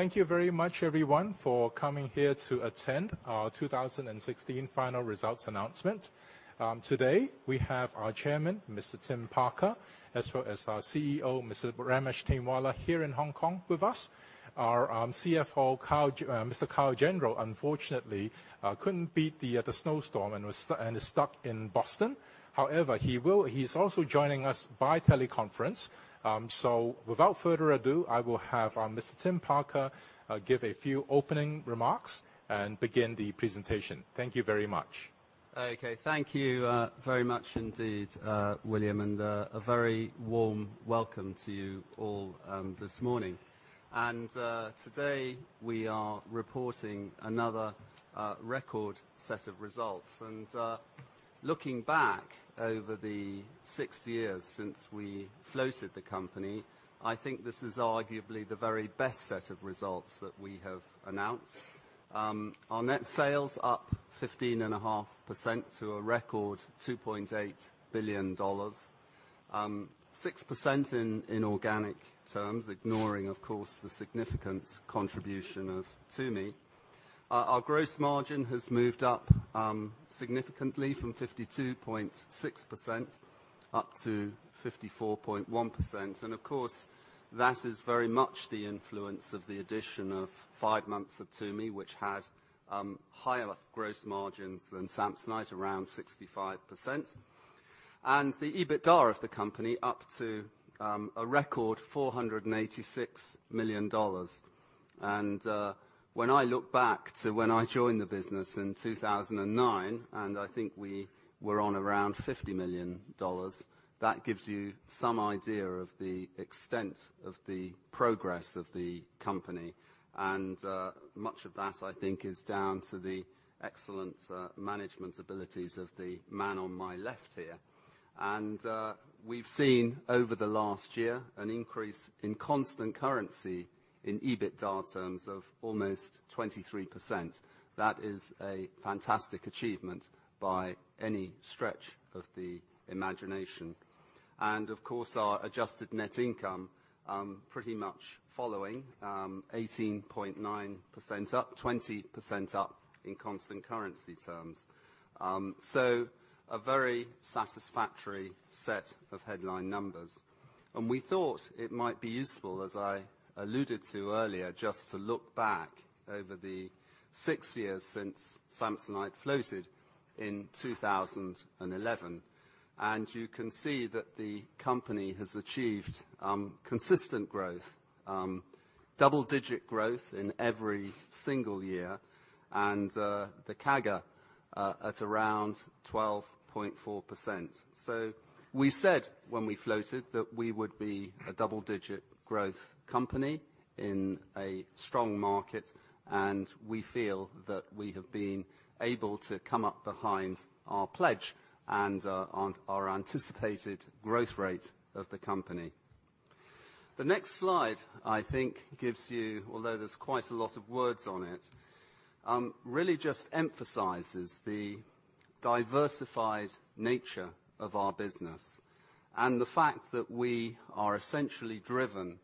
Thank you very much everyone for coming here to attend our 2016 final results announcement. Today we have our chairman, Mr. Tim Parker, as well as our CEO, Mr. Ramesh Tainwala, here in Hong Kong with us. Our CFO, Mr. Kyle Gendreau, unfortunately couldn't beat the snow storm and is stuck in Boston. However, he's also joining us by teleconference. Without further ado, I will have Mr. Tim Parker give a few opening remarks and begin the presentation. Thank you very much. Thank you very much indeed, William, a very warm welcome to you all this morning. Today we are reporting another record set of results. Looking back over the six years since we floated the company, I think this is arguably the very best set of results that we have announced. Our net sales up 15.5% to a record $2.8 billion. 6% in organic terms, ignoring of course the significant contribution of Tumi. Our gross margin has moved up significantly from 52.6% up to 54.1%. Of course, that is very much the influence of the addition of five months of Tumi, which had higher gross margins than Samsonite, around 65%. The EBITDA of the company up to a record $486 million. When I look back to when I joined the business in 2009, and I think we were on around $50 million, that gives you some idea of the extent of the progress of the company. Much of that I think is down to the excellent management abilities of the man on my left here. We've seen over the last year an increase in constant currency in EBITDA terms of almost 23%. That is a fantastic achievement by any stretch of the imagination. Of course, our adjusted net income pretty much following, 18.9% up, 20% up in constant currency terms. A very satisfactory set of headline numbers. We thought it might be useful, as I alluded to earlier, just to look back over the six years since Samsonite floated in 2011. You can see that the company has achieved consistent growth, double digit growth in every single year. The CAGR at around 12.4%. We said when we floated that we would be a double digit growth company in a strong market, and we feel that we have been able to come up behind our pledge and our anticipated growth rate of the company. The next slide, I think gives you, although there's quite a lot of words on it, really just emphasizes the diversified nature of our business. The fact that we are essentially driven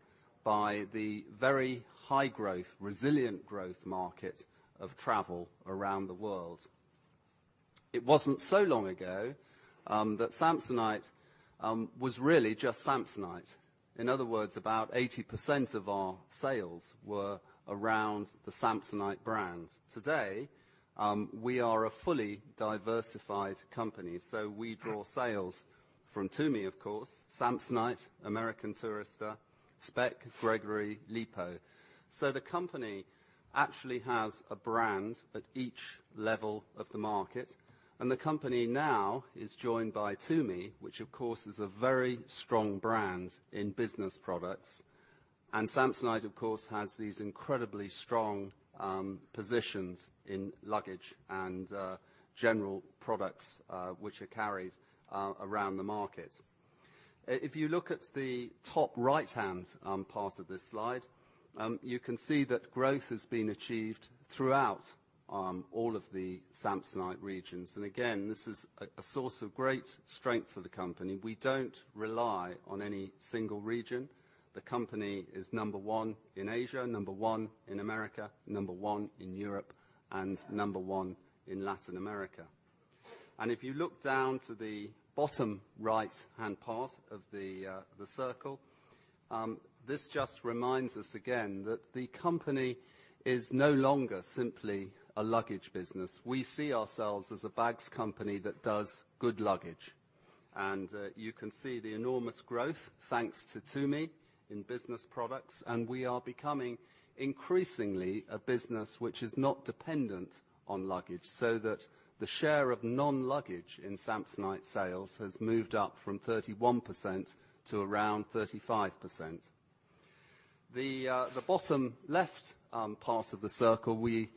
by the very high growth, resilient growth market of travel around the world. It wasn't so long ago that Samsonite was really just Samsonite. In other words, about 80% of our sales were around the Samsonite brand. Today, we are a fully diversified company, we draw sales from Tumi of course, Samsonite, American Tourister, Speck, Gregory, Lipault. The company actually has a brand at each level of the market, and the company now is joined by Tumi, which of course is a very strong brand in business products. Samsonite of course has these incredibly strong positions in luggage and general products which are carried around the market. If you look at the top right-hand part of this slide, you can see that growth has been achieved throughout all of the Samsonite regions. Again, this is a source of great strength for the company. We don't rely on any single region. The company is number one in Asia, number one in America, number one in Europe, and number one in Latin America. If you look down to the bottom right-hand part of the circle, this just reminds us again that the company is no longer simply a luggage business. We see ourselves as a bags company that does good luggage. You can see the enormous growth, thanks to Tumi, in business products, and we are becoming increasingly a business which is not dependent on luggage, so that the share of non-luggage in Samsonite sales has moved up from 31%-35%. The bottom left part of the circle, we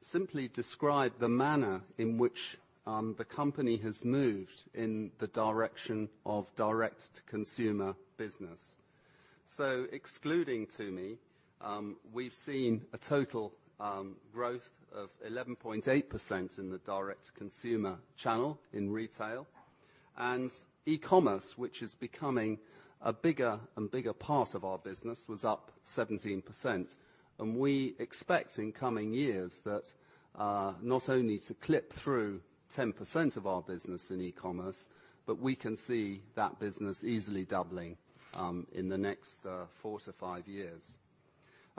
simply describe the manner in which the company has moved in the direction of direct-to-consumer business. Excluding Tumi, we've seen a total growth of 11.8% in the direct consumer channel in retail. E-commerce, which is becoming a bigger and bigger part of our business, was up 17%. We expect in coming years that not only to clip through 10% of our business in e-commerce, but we can see that business easily doubling in the next four to five years.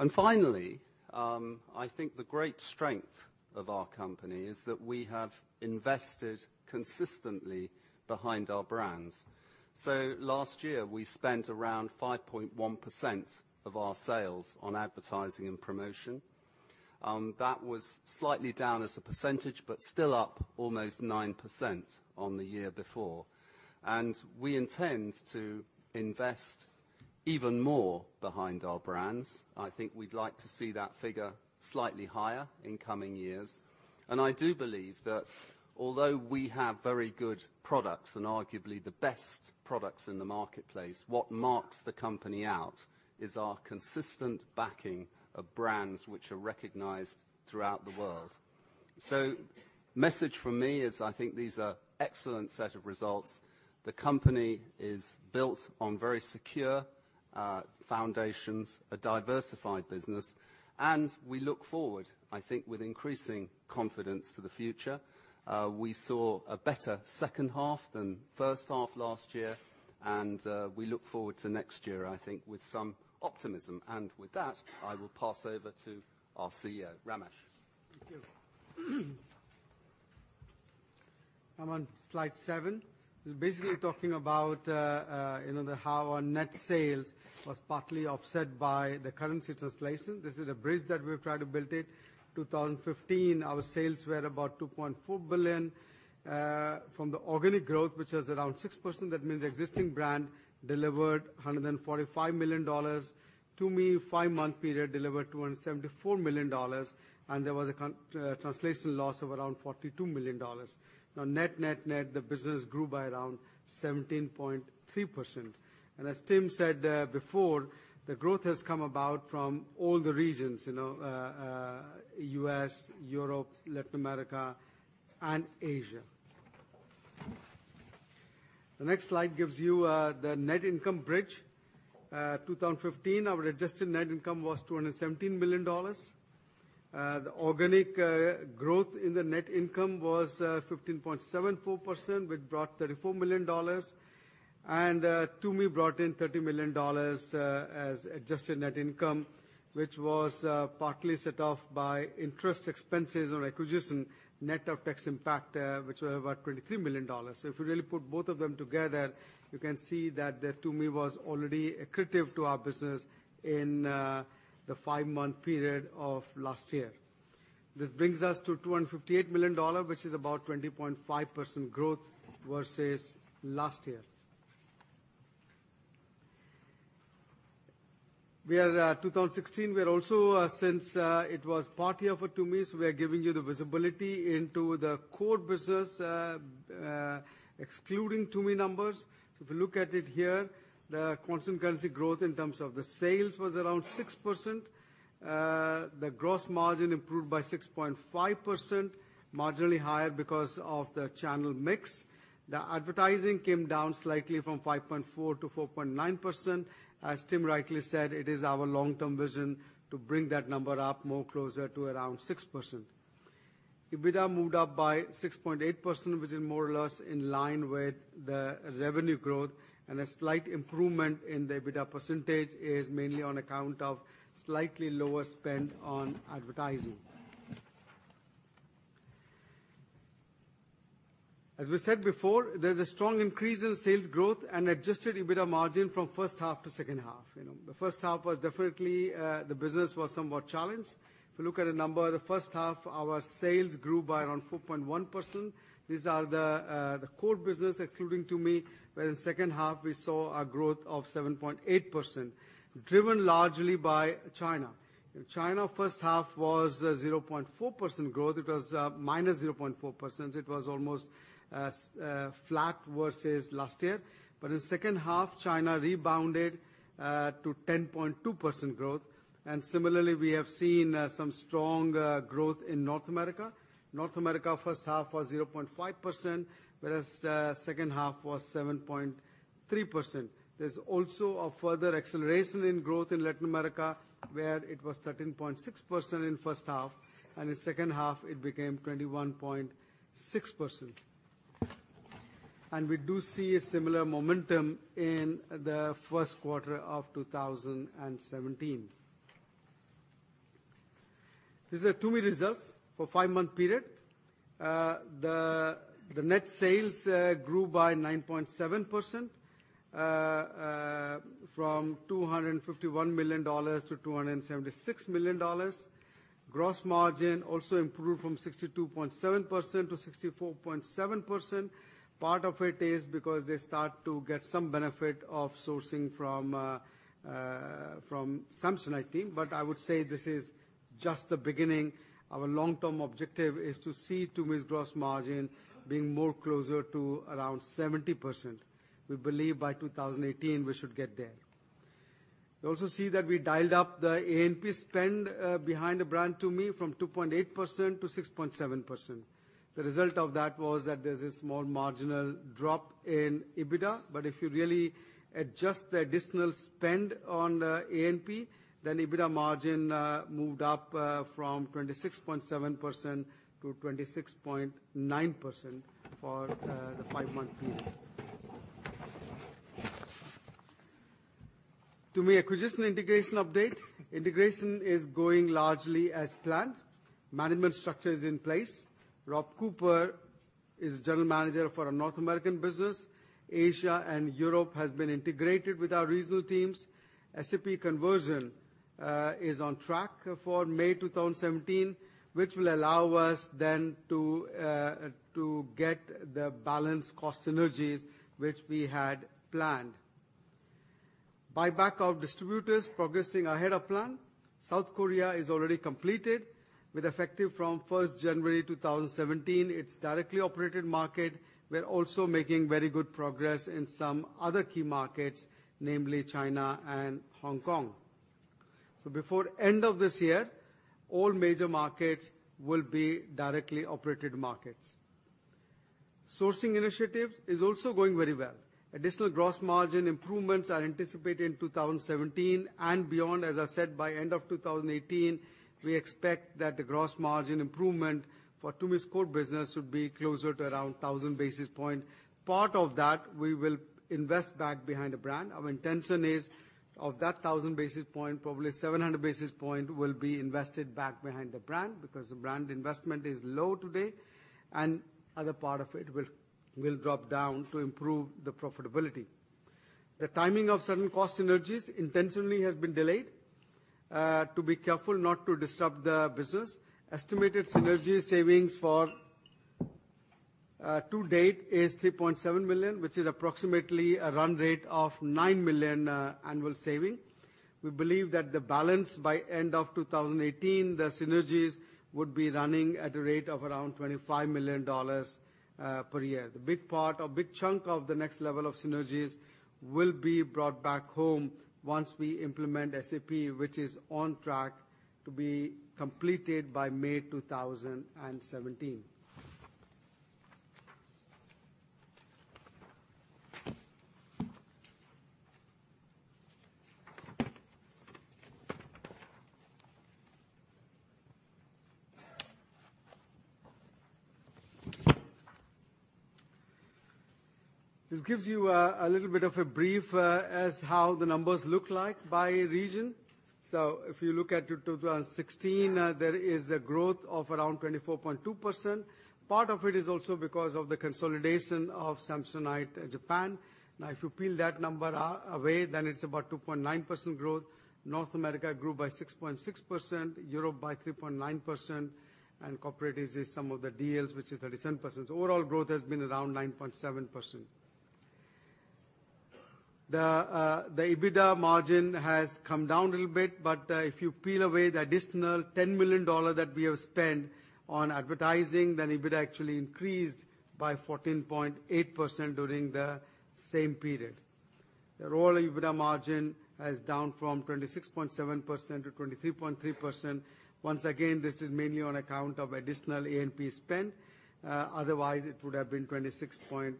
Finally, I think the great strength of our company is that we have invested consistently behind our brands. Last year, we spent around 5.1% of our sales on advertising and promotion. That was slightly down as a percentage, but still up almost 9% on the year before. We intend to invest even more behind our brands. I think we'd like to see that figure slightly higher in coming years. I do believe that although we have very good products, and arguably the best products in the marketplace, what marks the company out is our consistent backing of brands which are recognized throughout the world. The message from me is, I think these are excellent set of results. The company is built on very secure foundations, a diversified business, and we look forward, I think, with increasing confidence to the future. We saw a better second half than first half last year, and we look forward to next year, I think, with some optimism. With that, I will pass over to our CEO, Ramesh. Thank you. I'm on slide seven. It's basically talking about how our net sales was partly offset by the currency translation. This is a bridge that we've tried to build it. 2015, our sales were about $2.4 billion. From the organic growth, which was around 6%, that means the existing brand delivered $145 million. Tumi, five-month period, delivered $274 million, and there was a translation loss of around $42 million. Net, net, the business grew by around 17.3%. As Tim said before, the growth has come about from all the regions, U.S., Europe, Latin America, and Asia. The next slide gives you the net income bridge. 2015, our adjusted net income was $217 million. The organic growth in the net income was 15.74%, which brought $34 million. Tumi brought in $30 million as adjusted net income, which was partly set off by interest expenses on acquisition, net of tax impact, which were about $23 million. If we really put both of them together, you can see that the Tumi was already accretive to our business in the five-month period of last year. This brings us to $258 million, which is about 20.5% growth versus last year. We are 2016. We are also, since it was partly of Tumi's, we are giving you the visibility into the core business, excluding Tumi numbers. If you look at it here, the constant currency growth in terms of the sales was around 6%. The gross margin improved by 6.5%, marginally higher because of the channel mix. The advertising came down slightly from 5.4% to 4.9%. As Tim rightly said, it is our long-term vision to bring that number up more closer to around 6%. EBITDA moved up by 6.8%, which is more or less in line with the revenue growth, and a slight improvement in the EBITDA percentage is mainly on account of slightly lower spend on advertising. As we said before, there's a strong increase in sales growth and adjusted EBITDA margin from first half to second half. The first half was definitely, the business was somewhat challenged. If you look at the number, the first half, our sales grew by around 4.1%. These are the core business excluding Tumi, where the second half we saw a growth of 7.8%, driven largely by China. In China, first half was 0.4% growth. It was -0.4%. It was almost flat versus last year. In the second half, China rebounded to 10.2% growth. Similarly, we have seen some strong growth in North America. North America, first half was 0.5%, whereas the second half was 7.3%. There's also a further acceleration in growth in Latin America, where it was 13.6% in first half, and in second half it became 21.6%. We do see a similar momentum in the first quarter of 2017. These are Tumi results for a five-month period. The net sales grew by 9.7%, from $251 million to $276 million. Gross margin also improved from 62.7% to 64.7%. Part of it is because they start to get some benefit of sourcing from Samsonite team. I would say this is just the beginning. Our long-term objective is to see Tumi's gross margin being more closer to around 70%. We believe by 2018 we should get there. You'll also see that we dialed up the A&P spend behind the brand Tumi from 2.8% to 6.7%. The result of that was that there's a small marginal drop in EBITDA, but if you really adjust the additional spend on the A&P, then EBITDA margin moved up from 26.7% to 26.9% for the five-month period. Tumi acquisition integration update. Integration is going largely as planned. Management structure is in place. Rob Cooper is General Manager for our North American business. Asia and Europe has been integrated with our regional teams. SAP conversion is on track for May 2017, which will allow us then to get the balance cost synergies which we had planned. Buyback of distributors progressing ahead of plan. South Korea is already completed, with effective from 1st January 2017. It's directly operated market. We're also making very good progress in some other key markets, namely China and Hong Kong. Before end of this year, all major markets will be directly operated markets. Sourcing initiatives is also going very well. Additional gross margin improvements are anticipated in 2017 and beyond. As I said, by end of 2018, we expect that the gross margin improvement for Tumi's core business would be closer to around 1,000 basis points. Part of that we will invest back behind the brand. Our intention is, of that 1,000 basis points, probably 700 basis points will be invested back behind the brand, because the brand investment is low today, and other part of it will drop down to improve the profitability. The timing of certain cost synergies intentionally has been delayed, to be careful not to disrupt the business. Estimated synergy savings for to date is $3.7 million, which is approximately a run rate of $9 million annual saving. We believe that the balance by end of 2018, the synergies would be running at a rate of around $25 million per year. The big chunk of the next level of synergies will be brought back home once we implement SAP, which is on track to be completed by May 2017. This gives you a little bit of a brief as how the numbers look like by region. If you look at 2016, there is a growth of around 24.2%. Part of it is also because of the consolidation of Samsonite Japan. If you peel that number away, then it's about 2.9% growth. North America grew by 6.6%, Europe by 3.9%, and corporate is just some of the deals, which is 37%. Overall growth has been around 9.7%. The EBITDA margin has come down a little bit, but if you peel away the additional $10 million that we have spent on advertising, then EBITDA actually increased by 14.8% during the same period. The raw EBITDA margin has down from 26.7% to 23.3%. Once again, this is mainly on account of additional A&P spend. Otherwise, it would have been 26.9%.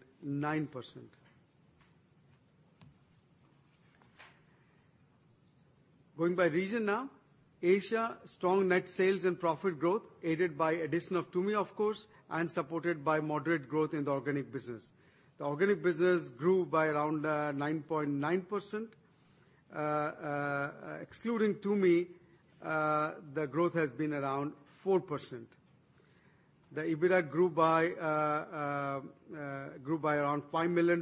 Going by region now. Asia, strong net sales and profit growth aided by addition of Tumi, of course, and supported by moderate growth in the organic business. The organic business grew by around 9.9%. Excluding Tumi, the growth has been around 4%. The EBITDA grew by around $5 million,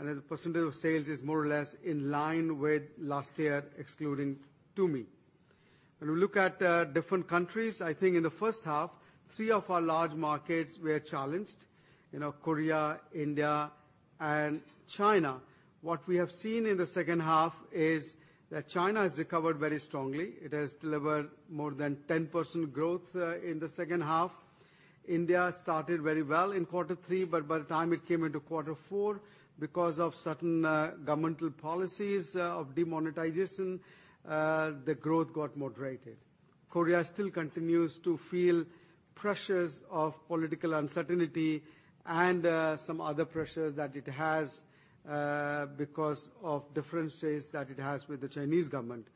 and as a percentage of sales is more or less in line with last year, excluding Tumi. We look at different countries, I think in the first half, three of our large markets were challenged. Korea, India, and China. We have seen in the second half is that China has recovered very strongly. It has delivered more than 10% growth in the second half. India started very well in quarter three. By the time it came into quarter four, because of certain governmental policies of demonetization, the growth got moderated. Korea still continues to feel pressures of political uncertainty and some other pressures that it has because of differences that it has with the Chinese government.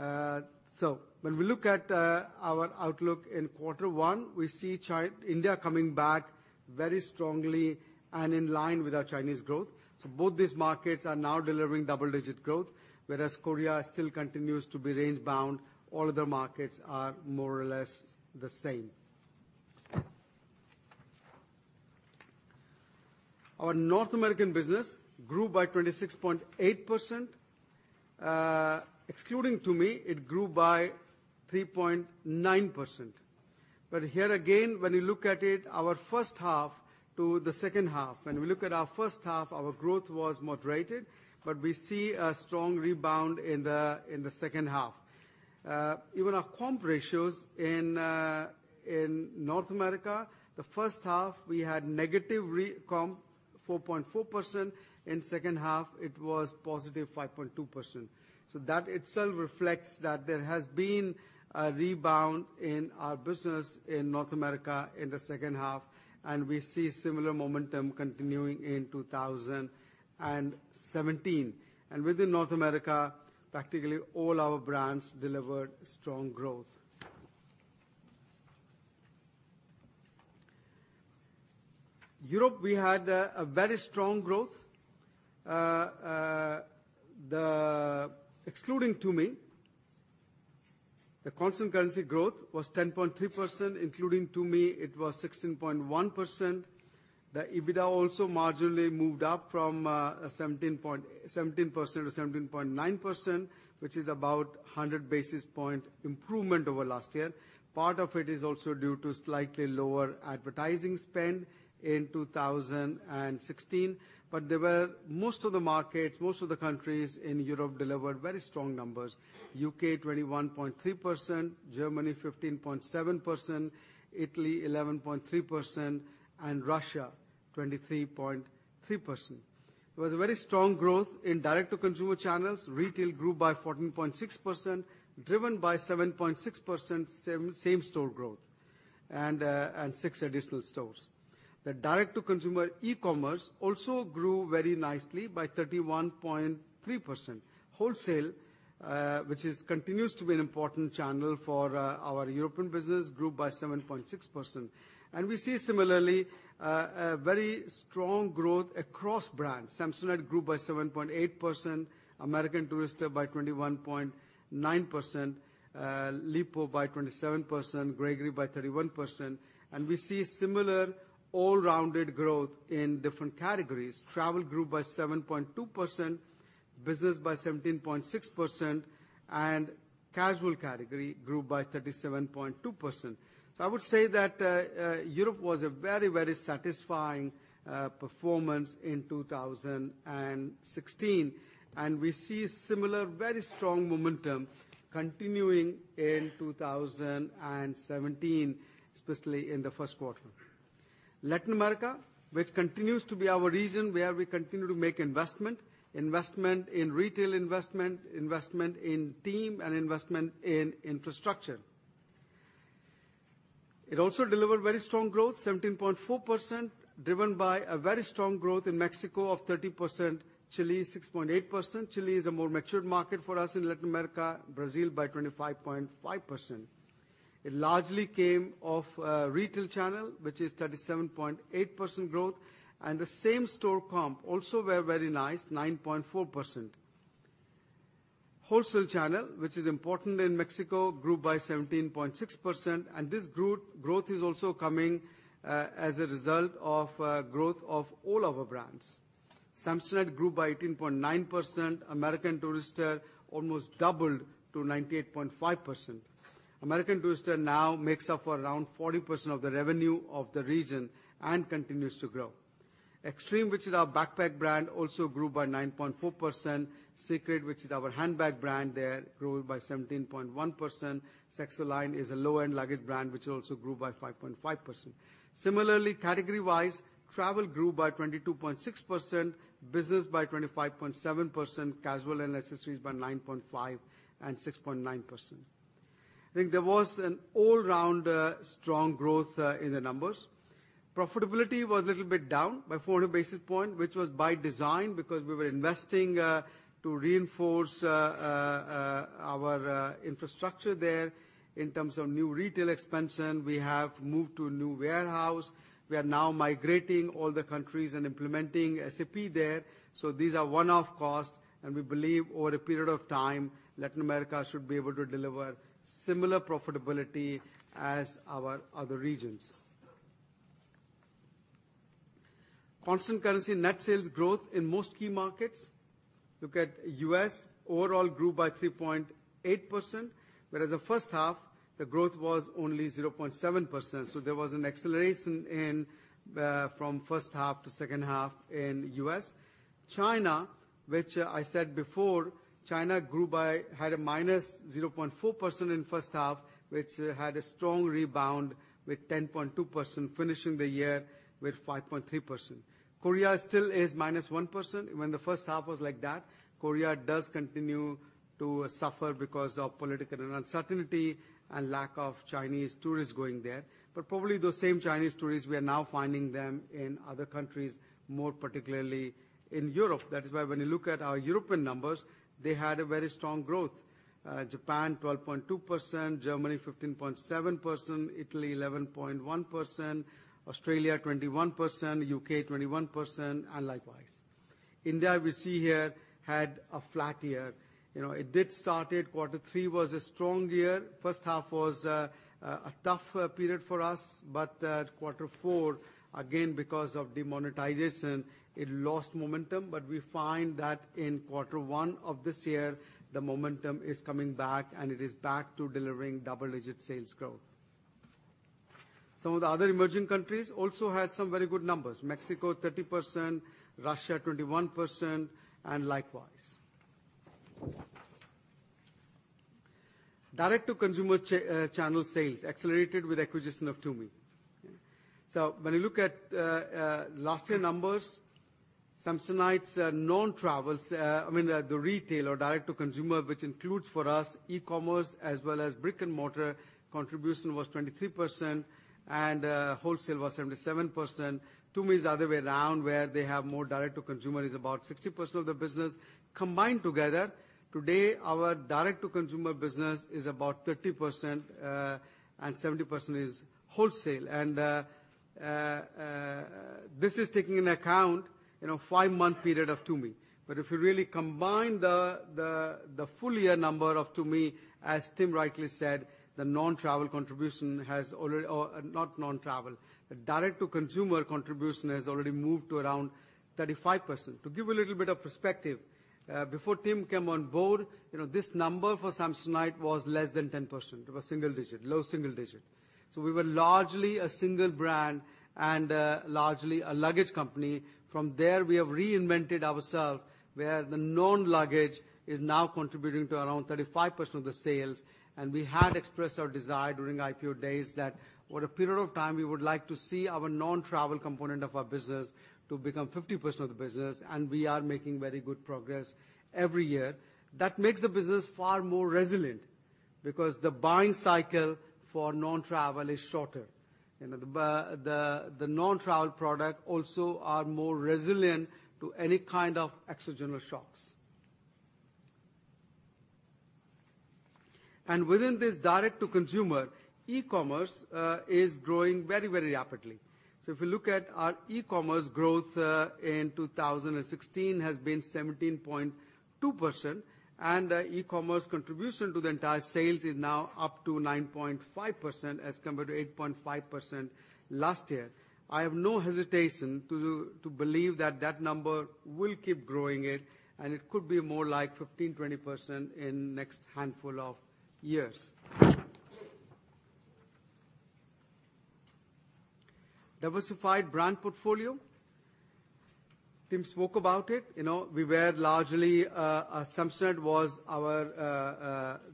We look at our outlook in quarter one, we see India coming back very strongly and in line with our Chinese growth. Both these markets are now delivering double-digit growth, whereas Korea still continues to be range bound. All other markets are more or less the same. Our North American business grew by 26.8%. Excluding Tumi, it grew by 3.9%. Here again, when you look at it, our first half to the second half. We look at our first half, our growth was moderated. We see a strong rebound in the second half. Even our comp ratios in North America, the first half, we had negative comp 4.4%. In second half, it was positive 5.2%. That itself reflects that there has been a rebound in our business in North America in the second half, and we see similar momentum continuing in 2017. Within North America, practically all our brands delivered strong growth. Europe, we had a very strong growth. Excluding Tumi, the constant currency growth was 10.3%. Including Tumi, it was 16.1%. The EBITDA also marginally moved up from 17% to 17.9%, which is about 100 basis points improvement over last year. Part of it is also due to slightly lower advertising spend in 2016. Most of the markets, most of the countries in Europe delivered very strong numbers. U.K. 21.3%, Germany 15.7%, Italy 11.3%, and Russia 23.3%. It was a very strong growth in direct-to-consumer channels. Retail grew by 14.6%, driven by 7.6% same-store growth and six additional stores. The direct-to-consumer e-commerce also grew very nicely by 31.3%. Wholesale, which continues to be an important channel for our European business, grew by 7.6%. We see similarly, a very strong growth across brands. Samsonite grew by 7.8%, American Tourister by 21.9%, Lipault by 27%, Gregory by 31%. We see similar all-rounded growth in different categories. Travel grew by 7.2%, business by 17.6%, and casual category grew by 37.2%. I would say that Europe was a very satisfying performance in 2016. We see similar very strong momentum continuing in 2017, especially in the first quarter. Latin America, which continues to be our region where we continue to make investment. Investment in retail investment in team, and investment in infrastructure. It also delivered very strong growth, 17.4%, driven by a very strong growth in Mexico of 30%, Chile 6.8%. Chile is a more matured market for us in Latin America, Brazil by 25.5%. It largely came off retail channel, which is 37.8% growth. The same-store comp also were very nice, 9.4%. Wholesale channel, which is important in Mexico, grew by 17.6%. This growth is also coming as a result of growth of all our brands. Samsonite grew by 18.9%, American Tourister almost doubled to 98.5%. American Tourister now makes up for around 40% of the revenue of the region and continues to grow. Xtrem, which is our backpack brand, also grew by 9.4%. Secret, which is our handbag brand there, grew by 17.1%. Saxoline is a low-end luggage brand, which also grew by 5.5%. Similarly, category-wise, travel grew by 22.6%, business by 25.7%, casual and accessories by 9.5% and 6.9%. I think there was an all-round strong growth in the numbers. Profitability was a little bit down by 400 basis points, which was by design because we were investing to reinforce our infrastructure there in terms of new retail expansion. We have moved to a new warehouse. We are now migrating all the countries and implementing SAP there. These are one-off costs, and we believe over a period of time, Latin America should be able to deliver similar profitability as our other regions. Constant currency net sales growth in most key markets. Look at U.S., overall grew by 3.8%, whereas the first half, the growth was only 0.7%. So there was an acceleration from first half to second half in U.S. China, which I said before, China had a minus 0.4% in first half, which had a strong rebound with 10.2%, finishing the year with 5.3%. Korea still is minus 1%. When the first half was like that, Korea does continue to suffer because of political uncertainty and lack of Chinese tourists going there. Probably those same Chinese tourists, we are now finding them in other countries, more particularly in Europe. That is why when you look at our European numbers, they had a very strong growth. Japan 12.2%, Germany 15.7%, Italy 11.1%, Australia 21%, U.K. 21%, and likewise. India, we see here, had a flat year. It did start it. Quarter 3 was a strong year. First half was a tough period for us. But Quarter 4, again, because of demonetization, it lost momentum. But we find that in Quarter 1 of this year, the momentum is coming back, and it is back to delivering double-digit sales growth. Some of the other emerging countries also had some very good numbers. Mexico 30%, Russia 21%, and likewise. Direct to consumer channel sales accelerated with acquisition of Tumi. When you look at last year numbers, Samsonite's non-travel, I mean, the retail or direct to consumer, which includes for us e-commerce as well as brick and mortar contribution was 23%, and wholesale was 77%. Tumi is the other way around, where they have more direct to consumer is about 60% of the business. Combined together, today, our direct to consumer business is about 30%, and 70% is wholesale. This is taking into account five-month period of Tumi. But if you really combine the full year number of Tumi, as Tim rightly said, the direct to consumer contribution has already moved to around 35%. To give a little bit of perspective, before Tim came on board, this number for Samsonite was less than 10%. It was low single digit. So we were largely a single brand and largely a luggage company. From there, we have reinvented ourselves, where the non-luggage is now contributing to around 35% of the sales. And we had expressed our desire during IPO days that over a period of time, we would like to see our non-travel component of our business to become 50% of the business, and we are making very good progress every year. That makes the business far more resilient because the buying cycle for non-travel is shorter. The non-travel product also are more resilient to any kind of exogenous shocks. Within this direct to consumer, e-commerce is growing very rapidly. If you look at our e-commerce growth in 2016 has been 17.2%, and e-commerce contribution to the entire sales is now up to 9.5% as compared to 8.5% last year. I have no hesitation to believe that that number will keep growing, and it could be more like 15%-20% in next handful of years. Diversified brand portfolio. Tim spoke about it. Samsonite was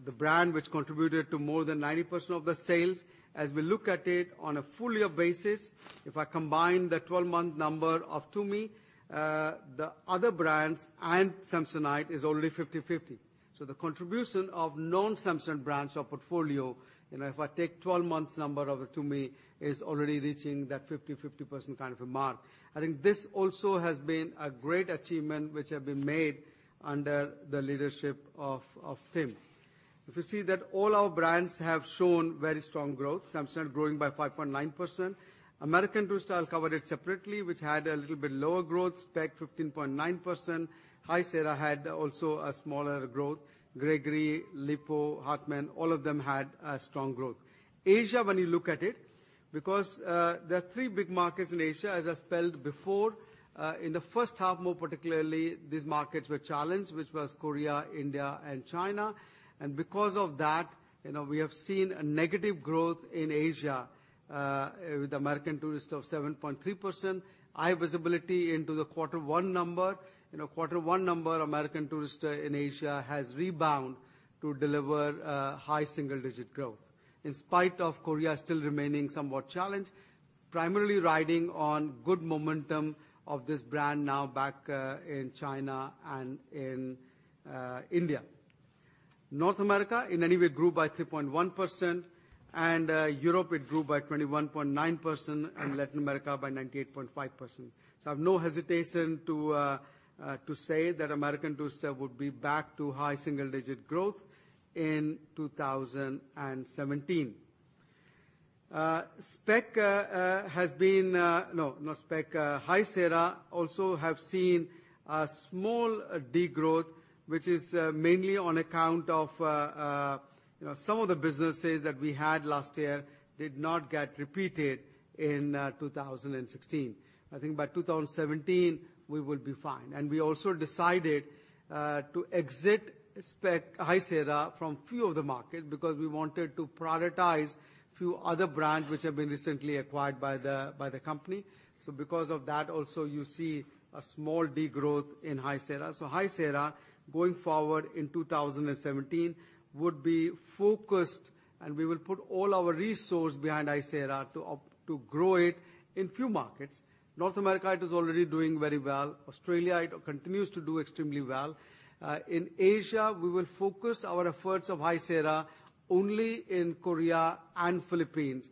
the brand which contributed to more than 90% of the sales. As we look at it on a full year basis, if I combine the 12-month number of Tumi, the other brands and Samsonite is already 50/50. The contribution of non-Samsonite brands or portfolio, if I take 12-month number of Tumi, is already reaching that 50/50 kind of a mark. I think this also has been a great achievement which have been made under the leadership of Tim. If you see that all our brands have shown very strong growth, Samsonite growing by 5.9%. American Tourister I'll cover it separately, which had a little bit lower growth, Speck 15.9%. High Sierra had also a smaller growth. Gregory, Lipault, Hartmann, all of them had a strong growth. Asia, when you look at it, because there are three big markets in Asia, as I spelled before, in the first half, more particularly, these markets were challenged, which was Korea, India, and China. Because of that, we have seen a negative growth in Asia, with American Tourister of 7.3%. High visibility into the quarter one number. Quarter one number, American Tourister in Asia has rebound to deliver high single digit growth. In spite of Korea still remaining somewhat challenged, primarily riding on good momentum of this brand now back in China and in India. North America, in any way, grew by 3.1%. Europe it grew by 21.9%. Latin America by 98.5%. I have no hesitation to say that American Tourister would be back to high single digit growth in 2017. High Sierra also have seen a small degrowth, which is mainly on account of some of the businesses that we had last year did not get repeated in 2016. I think by 2017, we will be fine. We also decided to exit High Sierra from few of the market because we wanted to prioritize few other brands which have been recently acquired by the company. Because of that, also you see a small degrowth in High Sierra. High Sierra, going forward in 2017, would be focused, and we will put all our resource behind High Sierra to grow it in few markets. North America, it is already doing very well. Australia, it continues to do extremely well. In Asia, we will focus our efforts of High Sierra only in Korea and Philippines.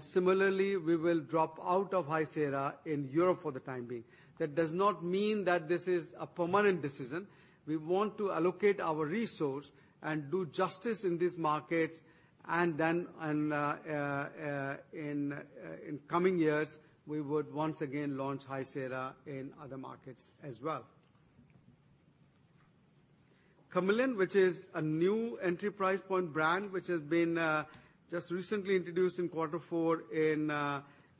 Similarly, we will drop out of High Sierra in Europe for the time being. That does not mean that this is a permanent decision. We want to allocate our resource and do justice in these markets, and then in coming years, we would once again launch High Sierra in other markets as well. Kamiliant, which is a new entry point brand, which has been just recently introduced in quarter four in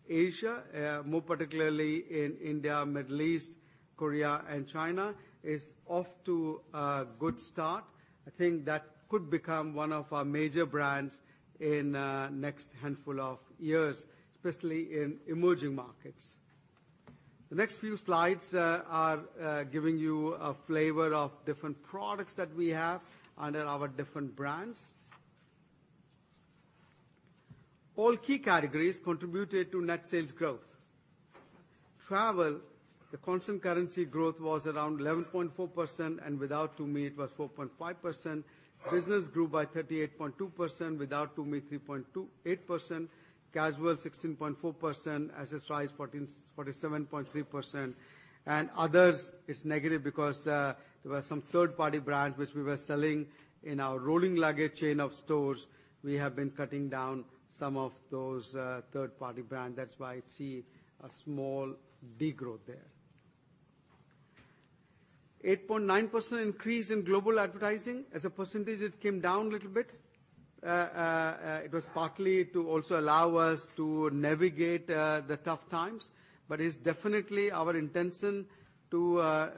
Asia, more particularly in India, Middle East, Korea, and China, is off to a good start. I think that could become one of our major brands in next handful of years, especially in emerging markets. The next few slides are giving you a flavor of different products that we have under our different brands. All key categories contributed to net sales growth. Travel, the constant currency growth was around 11.4%, and without Tumi, it was 4.5%. Business grew by 38.2%, without Tumi, 3.28%. Casual, 16.4%. Accessories, 47.3%. Others is negative because there were some third-party brands which we were selling in our Rolling Luggage chain of stores. We have been cutting down some of those third-party brands. That's why you see a small degrowth there. 8.9% increase in global advertising. As a percentage, it came down a little bit. It was partly to also allow us to navigate the tough times, but it's definitely our intention to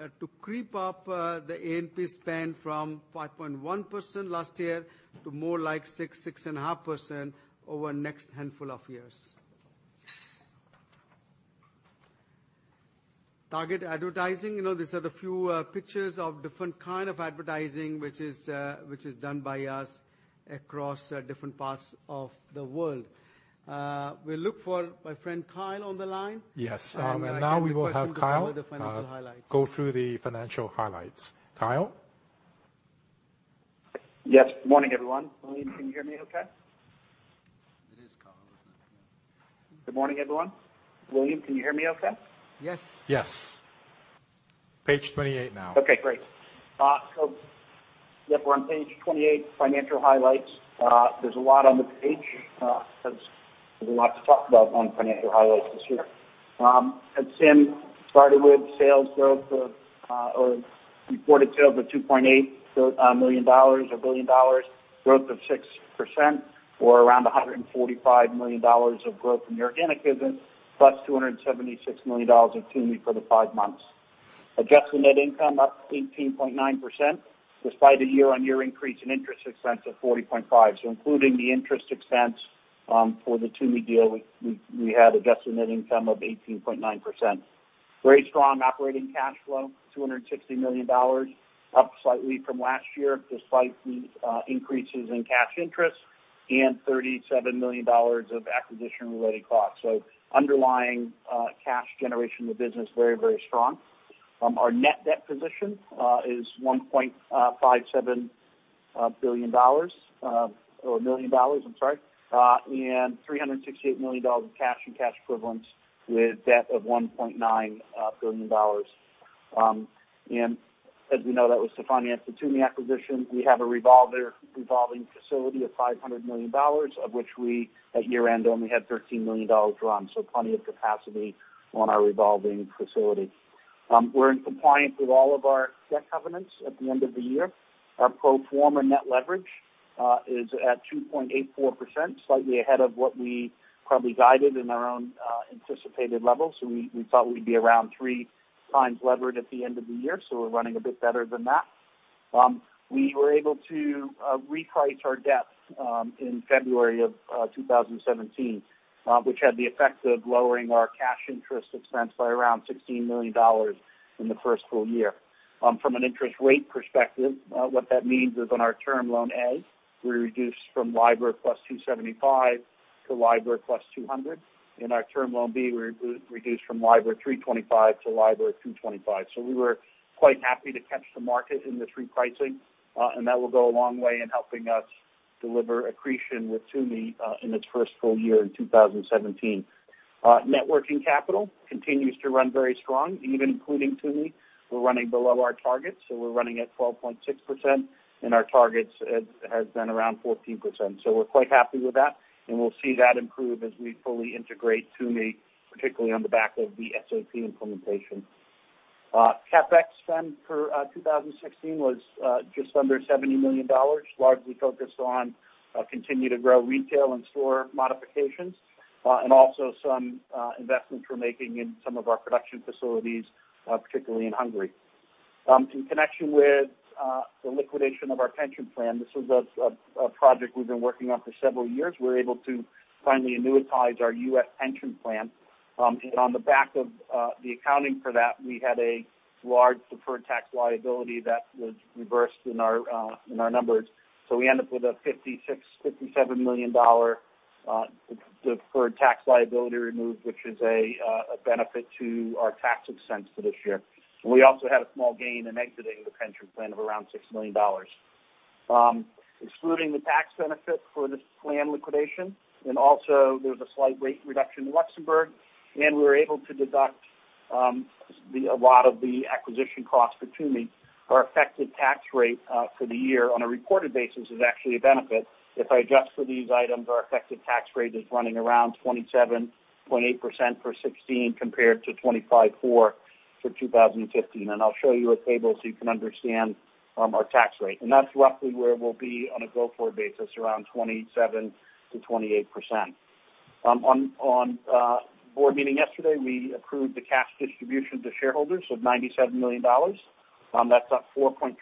creep up the A&P spend from 5.1% last year to more like 6%, 6.5% over the next handful of years. Target advertising. These are the few pictures of different kind of advertising, which is done by us across different parts of the world. We look for my friend Kyle on the line. Yes. Now we will have Kyle. I kindly request him to cover the financial highlights. go through the financial highlights. Kyle? Yes. Morning, everyone. William, can you hear me okay? It is Kyle, isn't it? Yeah. Good morning, everyone. William, can you hear me okay? Yes. Yes. Page 28 now. Okay, great. Yep, we're on page 28, financial highlights. There's a lot on the page because there's a lot to talk about on financial highlights this year. At SIM, starting with sales growth of, or reported sales of $2.8 million or billion dollars, growth of 6%, or around $145 million of growth in organic business, plus $276 million of Tumi for the five months. Adjusted net income up 18.9%, despite a year-on-year increase in interest expense of 40.5%. Including the interest expense for the Tumi deal, we had adjusted net income of 18.9%. Very strong operating cash flow, $260 million, up slightly from last year, despite the increases in cash interest and $37 million of acquisition-related costs. Underlying cash generation of the business, very strong. Our net debt position is $1.57 billion, or million dollars, I'm sorry, and $368 million of cash and cash equivalents with debt of $1.9 billion. As we know, that was to finance the Tumi acquisition. We have a revolving facility of $500 million, of which we, at year-end, only had $13 million drawn. Plenty of capacity on our revolving facility. We're in compliance with all of our debt covenants at the end of the year. Our pro forma net leverage, is at 2.84%, slightly ahead of what we probably guided in our own anticipated levels. We thought we'd be around three times levered at the end of the year, so we're running a bit better than that. We were able to reprice our debt in February of 2017, which had the effect of lowering our cash interest expense by around $16 million in the first full year. From an interest rate perspective, what that means is on our Term Loan A, we reduced from LIBOR + 275 to LIBOR + 200. In our Term Loan B, we reduced from LIBOR 325 to LIBOR 225. We were quite happy to catch the market in this repricing, and that will go a long way in helping us deliver accretion with Tumi, in its first full year in 2017. Net working capital continues to run very strong. Even including Tumi, we're running below our targets, so we're running at 12.6%, and our targets has been around 14%. We're quite happy with that, and we'll see that improve as we fully integrate Tumi, particularly on the back of the SAP implementation. CapEx spend for 2016 was just under $70 million, largely focused on continue to grow retail and store modifications, also some investments we're making in some of our production facilities, particularly in Hungary. In connection with the liquidation of our pension plan, this is a project we've been working on for several years. We were able to finally annuitize our U.S. pension plan. On the back of the accounting for that, we had a large deferred tax liability that was reversed in our numbers. We end up with a $56 million-$57 million deferred tax liability removed, which is a benefit to our tax expense for this year. We also had a small gain in exiting the pension plan of around $6 million. Excluding the tax benefit for this plan liquidation, also there was a slight rate reduction in Luxembourg, and we were able to deduct a lot of the acquisition cost for Tumi. Our effective tax rate for the year on a reported basis is actually a benefit. If I adjust for these items, our effective tax rate is running around 27.8% for 2016 compared to 25.4% for 2015. I'll show you a table so you can understand our tax rate. That's roughly where we'll be on a go-forward basis, around 27%-28%. On board meeting yesterday, we approved the cash distribution to shareholders of $97 million. That's up 4.3%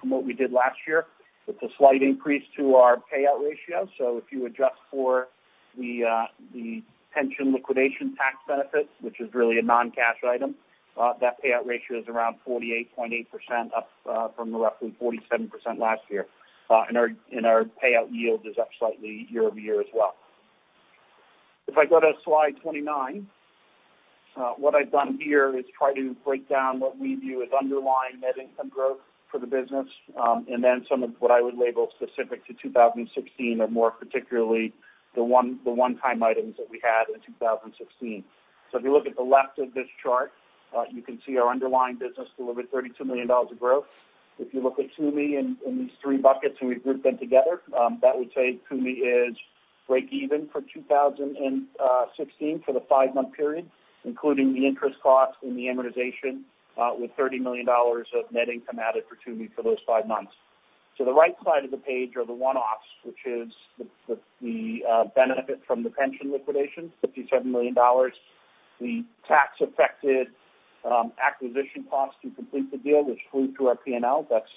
from what we did last year. It's a slight increase to our payout ratio. If you adjust for the pension liquidation tax benefit, which is really a non-cash item, that payout ratio is around 48.8%, up from roughly 47% last year. Our payout yield is up slightly year-over-year as well. If I go to slide 29, what I've done here is try to break down what we view as underlying net income growth for the business, and then some of what I would label specific to 2016 or more particularly, the one-time items that we had in 2016. If you look at the left of this chart, you can see our underlying business delivered $32 million of growth. If you look at Tumi in these three buckets, and we group them together, that would say Tumi is break even for 2016 for the five-month period, including the interest cost and the amortization, with $30 million of net income added for Tumi for those five months. To the right side of the page are the one-offs, which is the benefit from the pension liquidation, $57 million. The tax affected acquisition cost to complete the deal, which flew through our P&L, that's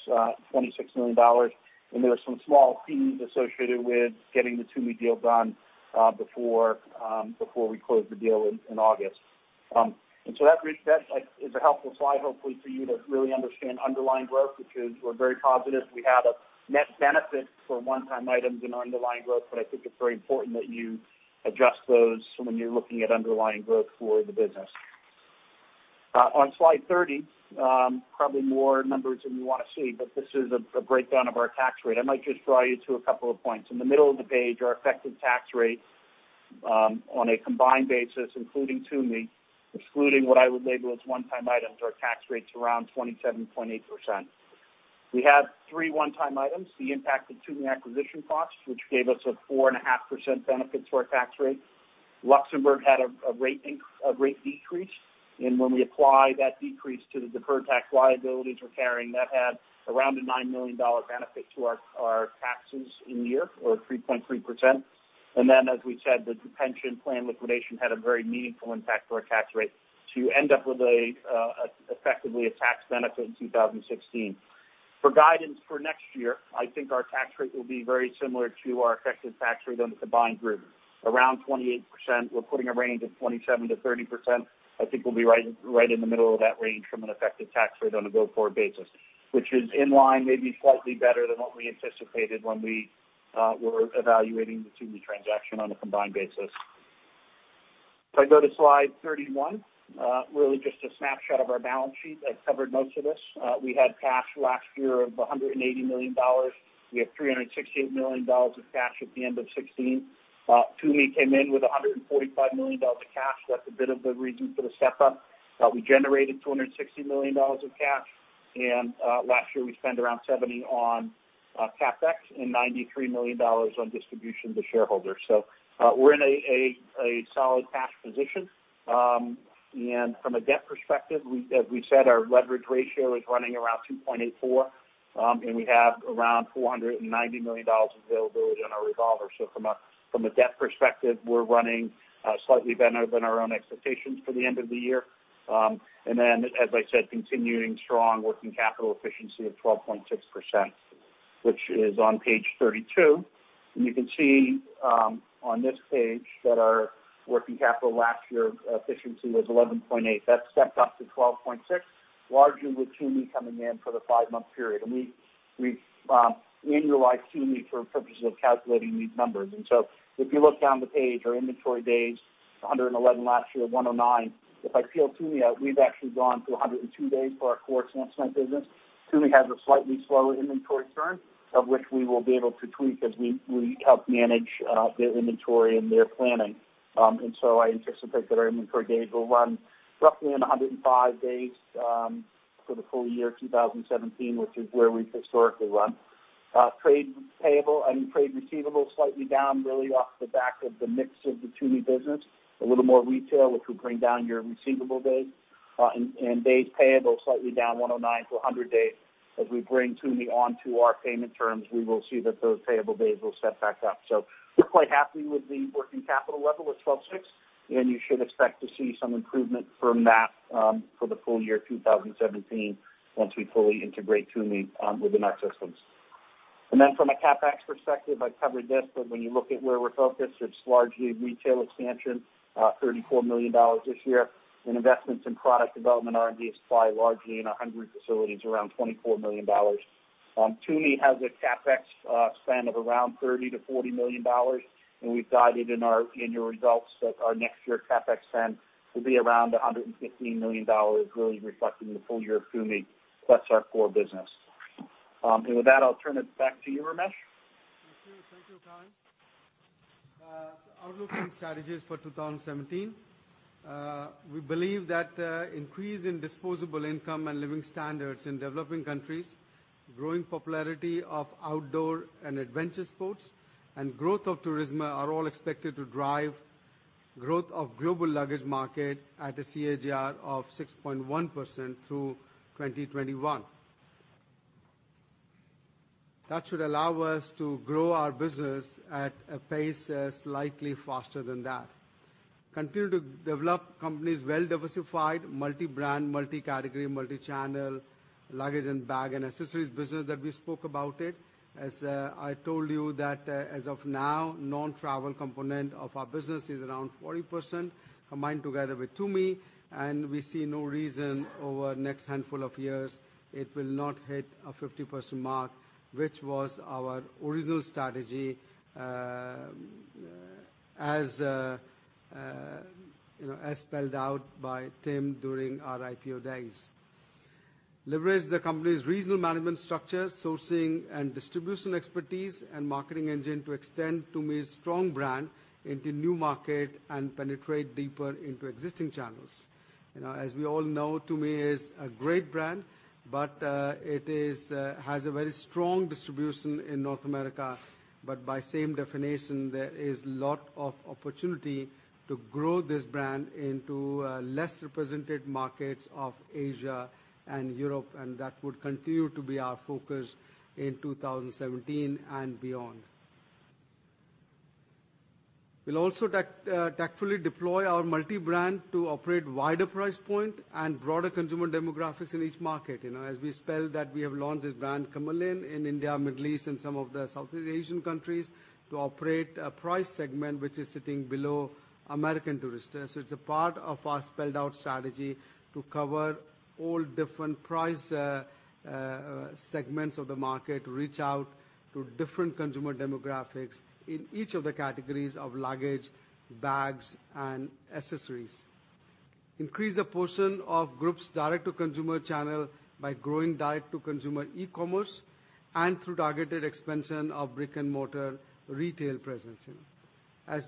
$26 million. There are some small fees associated with getting the Tumi deal done before we closed the deal in August. That is a helpful slide, hopefully, for you to really understand underlying growth, because we're very positive we had a net benefit for one-time items in underlying growth. I think it's very important that you adjust those when you're looking at underlying growth for the business. On slide 30, probably more numbers than you want to see, this is a breakdown of our tax rate. I might just draw you to a couple of points. In the middle of the page, our effective tax rate, on a combined basis, including Tumi, excluding what I would label as one-time items, our tax rate's around 27.8%. We had three one-time items, the impact of Tumi acquisition costs, which gave us a 4.5% benefit to our tax rate. Luxembourg had a rate decrease, and when we apply that decrease to the deferred tax liabilities we're carrying, that had around a $9 million benefit to our taxes in the year or 3.3%. As we said, the pension plan liquidation had a very meaningful impact to our tax rate to end up with effectively a tax benefit in 2016. For guidance for next year, I think our tax rate will be very similar to our effective tax rate on the combined group, around 28%. We're putting a range of 27%-30%. I think we'll be right in the middle of that range from an effective tax rate on a go-forward basis. Which is in line, maybe slightly better than what we anticipated when we were evaluating the Tumi transaction on a combined basis. If I go to slide 31, really just a snapshot of our balance sheet. I've covered most of this. We had cash last year of $180 million. We have $368 million of cash at the end of 2016. Tumi came in with $145 million of cash. That's a bit of the reason for the step-up. We generated $260 million of cash, last year we spent around $70 on CapEx and $93 million on distribution to shareholders. We're in a solid cash position. From a debt perspective, as we said, our leverage ratio is running around 2.84. We have around $490 million of availability on our Revolver. From a debt perspective, we're running slightly better than our own expectations for the end of the year. As I said, continuing strong working capital efficiency of 12.6%, which is on page 32. You can see, on this page, that our working capital last year efficiency was 11.8%. That stepped up to 12.6%, largely with Tumi coming in for the five-month period. We annualize Tumi for purposes of calculating these numbers. If you look down the page, our inventory days, 111 last year, 109. If I peel Tumi out, we've actually gone to 102 days for our core Samsonite business. Tumi has a slightly slower inventory turn, of which we will be able to tweak as we help manage their inventory and their planning. I anticipate that our inventory days will run roughly in 105 days for the full year 2017, which is where we've historically run. Trade receivable, slightly down, really off the back of the mix of the Tumi business. A little more retail, which will bring down your receivable days. Days payable, slightly down, 109 to 100 days. As we bring Tumi onto our payment terms, we will see that those payable days will step back up. We're quite happy with the working capital level at 12.6, you should expect to see some improvement from that for the full year 2017 once we fully integrate Tumi within our systems. From a CapEx perspective, I covered this, but when you look at where we're focused, it's largely retail expansion, $34 million this year, investments in product development, R&D and supply largely in 100 facilities, around $24 million. Tumi has a CapEx spend of around $30 million-$40 million. We've guided in your results that our next year CapEx spend will be around $115 million, really reflecting the full year of Tumi plus our core business. With that, I'll turn it back to you, Ramesh. Thank you, Kyle. Outlook and strategies for 2017. We believe that increase in disposable income and living standards in developing countries, growing popularity of outdoor and adventure sports, growth of tourism are all expected to drive growth of global luggage market at a CAGR of 6.1% through 2021. That should allow us to grow our business at a pace slightly faster than that. Continue to develop company's well-diversified, multi-brand, multi-category, multi-channel luggage and bag and accessories business that we spoke about it. As I told you that as of now, non-travel component of our business is around 40%, combined together with Tumi, we see no reason over the next handful of years it will not hit a 50% mark, which was our original strategy as spelled out by Tim during our IPO days. Leverage the company's regional management structure, sourcing and distribution expertise and marketing engine to extend Tumi's strong brand into new market and penetrate deeper into existing channels. We all know, Tumi is a great brand, it has a very strong distribution in North America, by same definition, there is lot of opportunity to grow this brand into lesser presented markets of Asia and Europe, that would continue to be our focus in 2017 and beyond. We'll also tactfully deploy our multi-brand to operate wider price point and broader consumer demographics in each market. We spelled that we have launched this brand, Kamiliant, in India, Middle East, and some of the Southeast Asian countries to operate a price segment which is sitting below American Tourister. It's a part of our spelled out strategy to cover all different price segments of the market, reach out to different consumer demographics in each of the categories of luggage, bags and accessories. Increase the portion of group's direct-to-consumer channel by growing direct-to-consumer e-commerce and through targeted expansion of brick-and-mortar retail presence.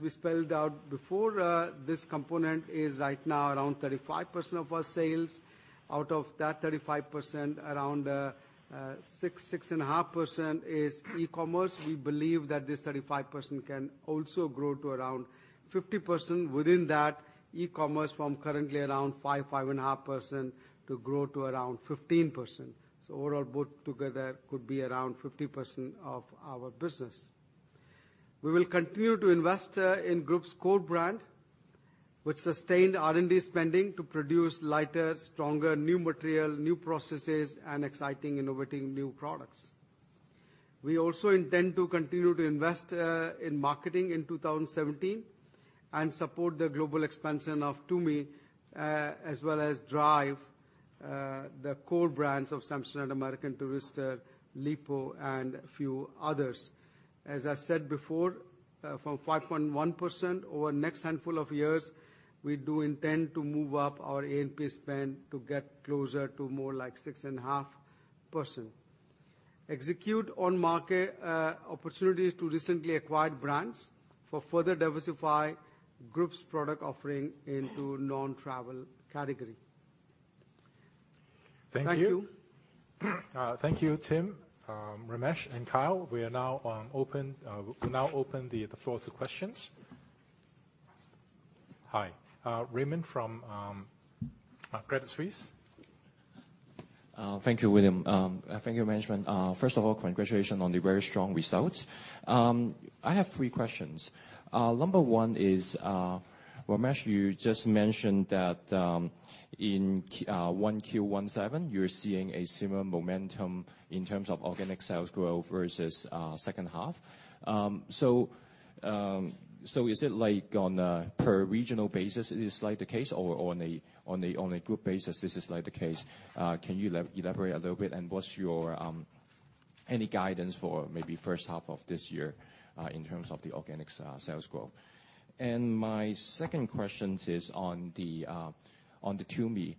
We spelled out before, this component is right now around 35% of our sales. Out of that 35%, around 6%-6.5% is e-commerce. We believe that this 35% can also grow to around 50%. Within that, e-commerce from currently around 5%-5.5% to grow to around 15%. Overall put together could be around 50% of our business. We will continue to invest in group's core brand with sustained R&D spending to produce lighter, stronger new material, new processes, and exciting innovative new products. We also intend to continue to invest in marketing in 2017 and support the global expansion of Tumi, as well as drive the core brands of Samsonite, American Tourister, Lipault, and a few others. As I said before, from 5.1%, over the next handful of years, we do intend to move up our A&P spend to get closer to more like 6.5%. Execute on market opportunities to recently acquired brands for further diversify group's product offering into non-travel category. Thank you. Thank you. Thank you, Tim, Ramesh, and Kyle. We now open the floor to questions. Hi. Raymond from Credit Suisse. Thank you, William. Thank you, management. First of all, congratulations on the very strong results. I have three questions. Number one is, Ramesh, you just mentioned that in 1Q17, you're seeing a similar momentum in terms of organic sales growth versus second half. Is it like on a per regional basis it is like the case or on a group basis this is like the case? Can you elaborate a little bit, and what's your any guidance for maybe first half of this year, in terms of the organic sales growth? My second questions is on the Tumi.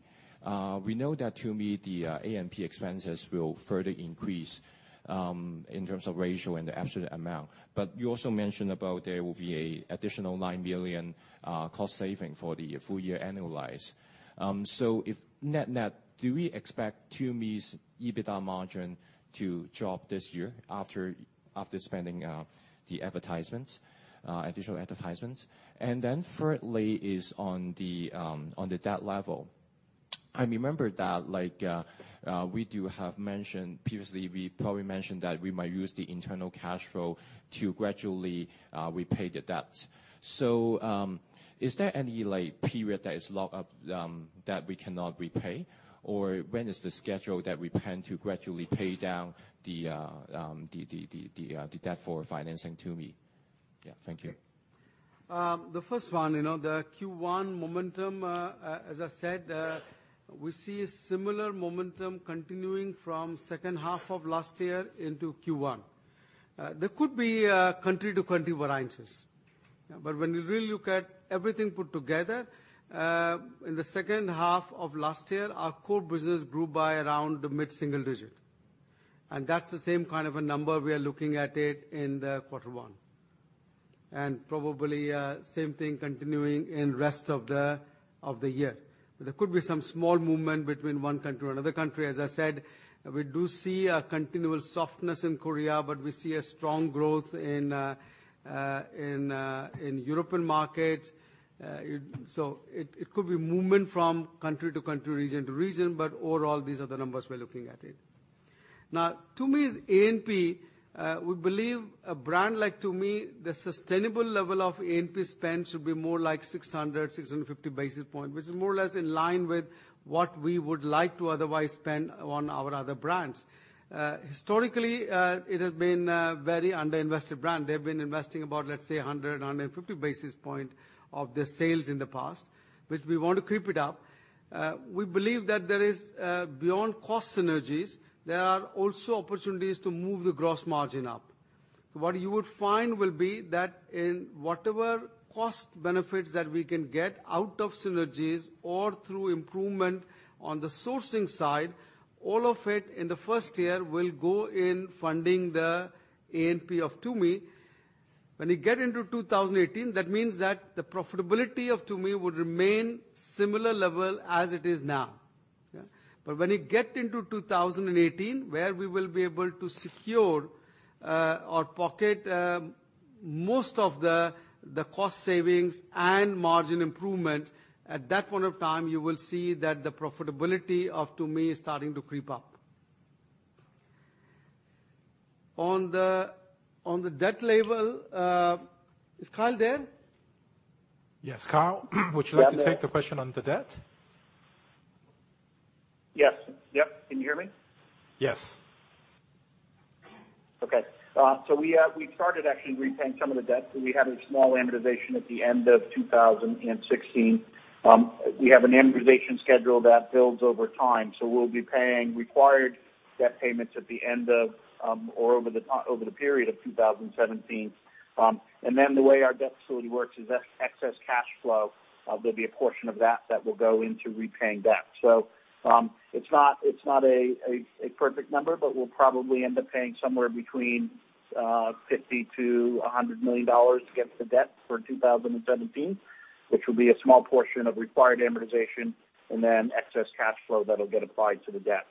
We know that Tumi, the A&P expenses will further increase, in terms of ratio and the absolute amount. You also mentioned about there will be a additional $9 million cost saving for the full year annualized. If net, do we expect Tumi's EBITDA margin to drop this year after spending the additional advertisements? Thirdly is on the debt level. I remember that like we do have mentioned previously, we probably mentioned that we might use the internal cash flow to gradually repay the debt. Is there any like period that is locked up, that we cannot repay? When is the schedule that we plan to gradually pay down the debt for financing Tumi? Yeah, thank you. The first one, the Q1 momentum, as I said, we see a similar momentum continuing from second half of last year into Q1. There could be country to country variances. When we really look at everything put together, in the second half of last year, our core business grew by around mid-single digit. That's the same kind of a number we are looking at it in the quarter one. Probably same thing continuing in rest of the year. There could be some small movement between one country or another country. As I said, we do see a continual softness in Korea, but we see a strong growth in European markets. It could be movement from country to country, region to region, but overall, these are the numbers we're looking at it. Tumi's A&P, we believe a brand like Tumi, the sustainable level of A&P spend should be more like 600, 650 basis point, which is more or less in line with what we would like to otherwise spend on our other brands. Historically, it has been a very under-invested brand. They've been investing about, let's say, 100, 150 basis point of the sales in the past, which we want to creep it up. We believe that there is, beyond cost synergies, there are also opportunities to move the gross margin up. What you would find will be that in whatever cost benefits that we can get out of synergies or through improvement on the sourcing side, all of it in the first year will go in funding the A&P of Tumi. When you get into 2018, that means that the profitability of Tumi would remain similar level as it is now. When you get into 2018, where we will be able to secure or pocket most of the cost savings and margin improvement, at that point of time, you will see that the profitability of Tumi is starting to creep up. On the debt level. Is Kyle there? Yes, Kyle, would you like to take the question on the debt? Yes. Can you hear me? Yes. Okay. We started actually repaying some of the debt. We had a small amortization at the end of 2016. We have an amortization schedule that builds over time. We'll be paying required debt payments at the end of, or over the period of 2017. The way our debt facility works is excess cash flow, there'll be a portion of that that will go into repaying debt. It's not a perfect number, but we'll probably end up paying somewhere between $50 million-$100 million against the debt for 2017, which will be a small portion of required amortization and then excess cash flow that'll get applied to the debt.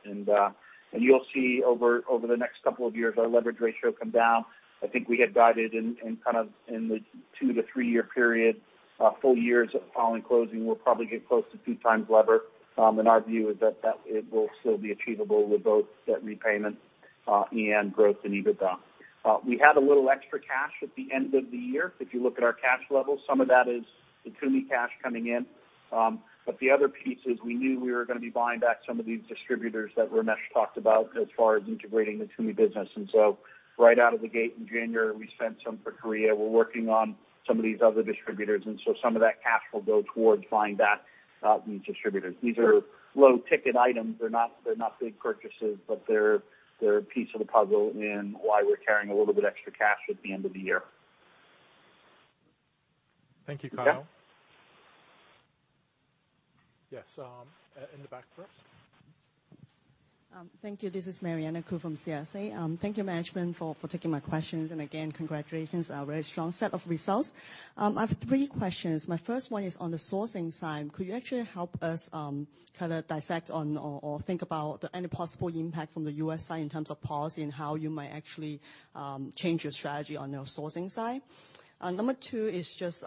You'll see over the next couple of years, our leverage ratio come down. I think we had guided in the 2-3 year period, full years following closing, we will probably get close to 2 times lever. Our view is that it will still be achievable with both debt repayment and growth in EBITDA. We had a little extra cash at the end of the year. If you look at our cash levels, some of that is the Tumi cash coming in. The other piece is we knew we were going to be buying back some of these distributors that Ramesh talked about as far as integrating the Tumi business. Right out of the gate in January, we spent some for Korea. We are working on some of these other distributors, so some of that cash will go towards buying back these distributors. These are low-ticket items. They are not big purchases, but they are a piece of the puzzle in why we are carrying a little bit extra cash at the end of the year. Thank you, Kyle. Okay. Yes. In the back first. Thank you. This is Mariana Kou from CLSA. Thank you, management, for taking my questions. Again, congratulations, a very strong set of results. I have three questions. My first one is on the sourcing side. Could you actually help us kind of dissect or think about any possible impact from the U.S. side in terms of policy and how you might actually change your strategy on your sourcing side? Number 2 is just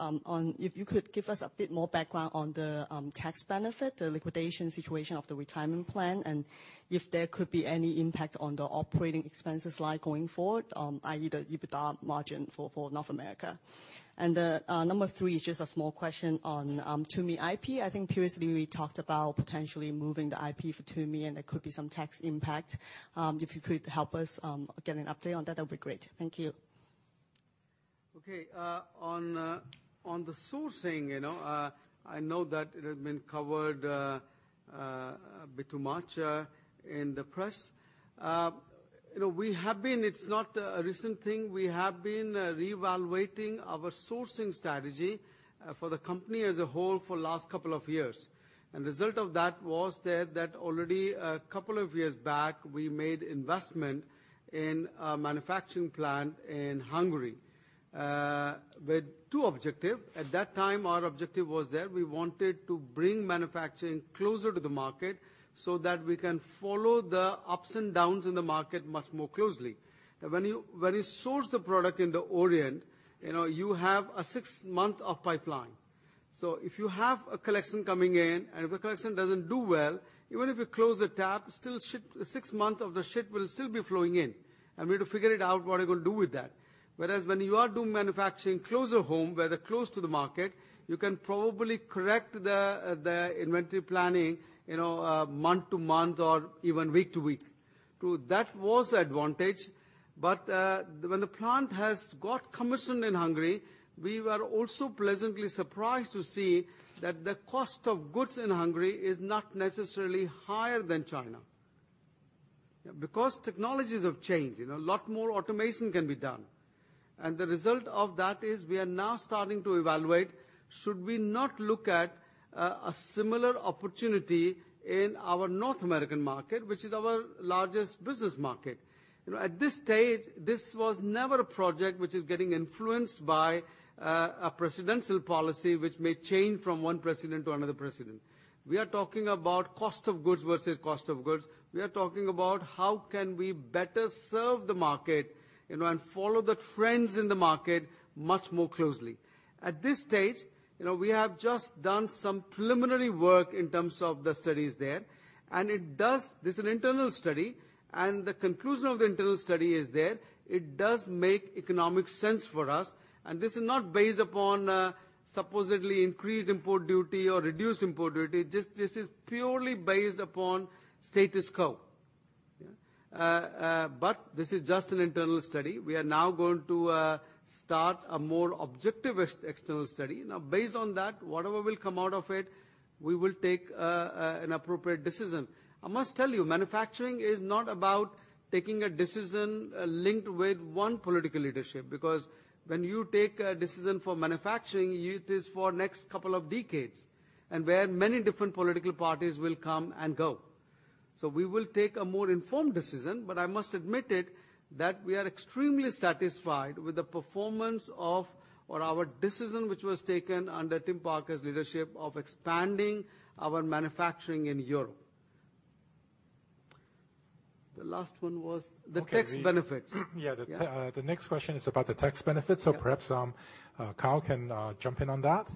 if you could give us a bit more background on the tax benefit, the liquidation situation of the retirement plan, and if there could be any impact on the operating expenses going forward, i.e., the EBITDA margin for North America. Number 3 is just a small question on Tumi IP. I think previously we talked about potentially moving the IP for Tumi, and there could be some tax impact. If you could help us get an update on that'd be great. Thank you. Okay. On the sourcing, I know that it has been covered a bit too much in the press. It's not a recent thing. We have been reevaluating our sourcing strategy for the company as a whole for the last couple of years. The result of that was that already a couple of years back, we made investment in a manufacturing plant in Hungary with two objective. At that time, our objective was that we wanted to bring manufacturing closer to the market so that we can follow the ups and downs in the market much more closely. When you source the product in the Orient, you have a six month of pipeline. If you have a collection coming in and if a collection doesn't do well, even if you close the tap, still six months of the ship will still be flowing in, and we're to figure it out what are we going to do with that. Whereas when you are doing manufacturing closer home, whether close to the market, you can probably correct the inventory planning month to month or even week to week. That was the advantage. When the plant has got commissioned in Hungary, we were also pleasantly surprised to see that the cost of goods in Hungary is not necessarily higher than China. Because technologies have changed, a lot more automation can be done. The result of that is we are now starting to evaluate, should we not look at a similar opportunity in our North American market, which is our largest business market? At this stage, this was never a project which is getting influenced by a presidential policy which may change from one president to another president. We are talking about cost of goods versus cost of goods. We are talking about how can we better serve the market and follow the trends in the market much more closely. At this stage, we have just done some preliminary work in terms of the studies there. This is an internal study, the conclusion of the internal study is that it does make economic sense for us. This is not based upon supposedly increased import duty or reduced import duty. This is purely based upon status quo. This is just an internal study. We are now going to start a more objective external study. Based on that, whatever will come out of it, we will take an appropriate decision. I must tell you, manufacturing is not about taking a decision linked with one political leadership, because when you take a decision for manufacturing, it is for next couple of decades, and where many different political parties will come and go. We will take a more informed decision, but I must admit it, that we are extremely satisfied with the performance of our decision, which was taken under Timothy Parker's leadership of expanding our manufacturing in Europe. The last one was the tax benefits. Okay. Yeah. The next question is about the tax benefits. Yeah. Perhaps Kyle can jump in on that.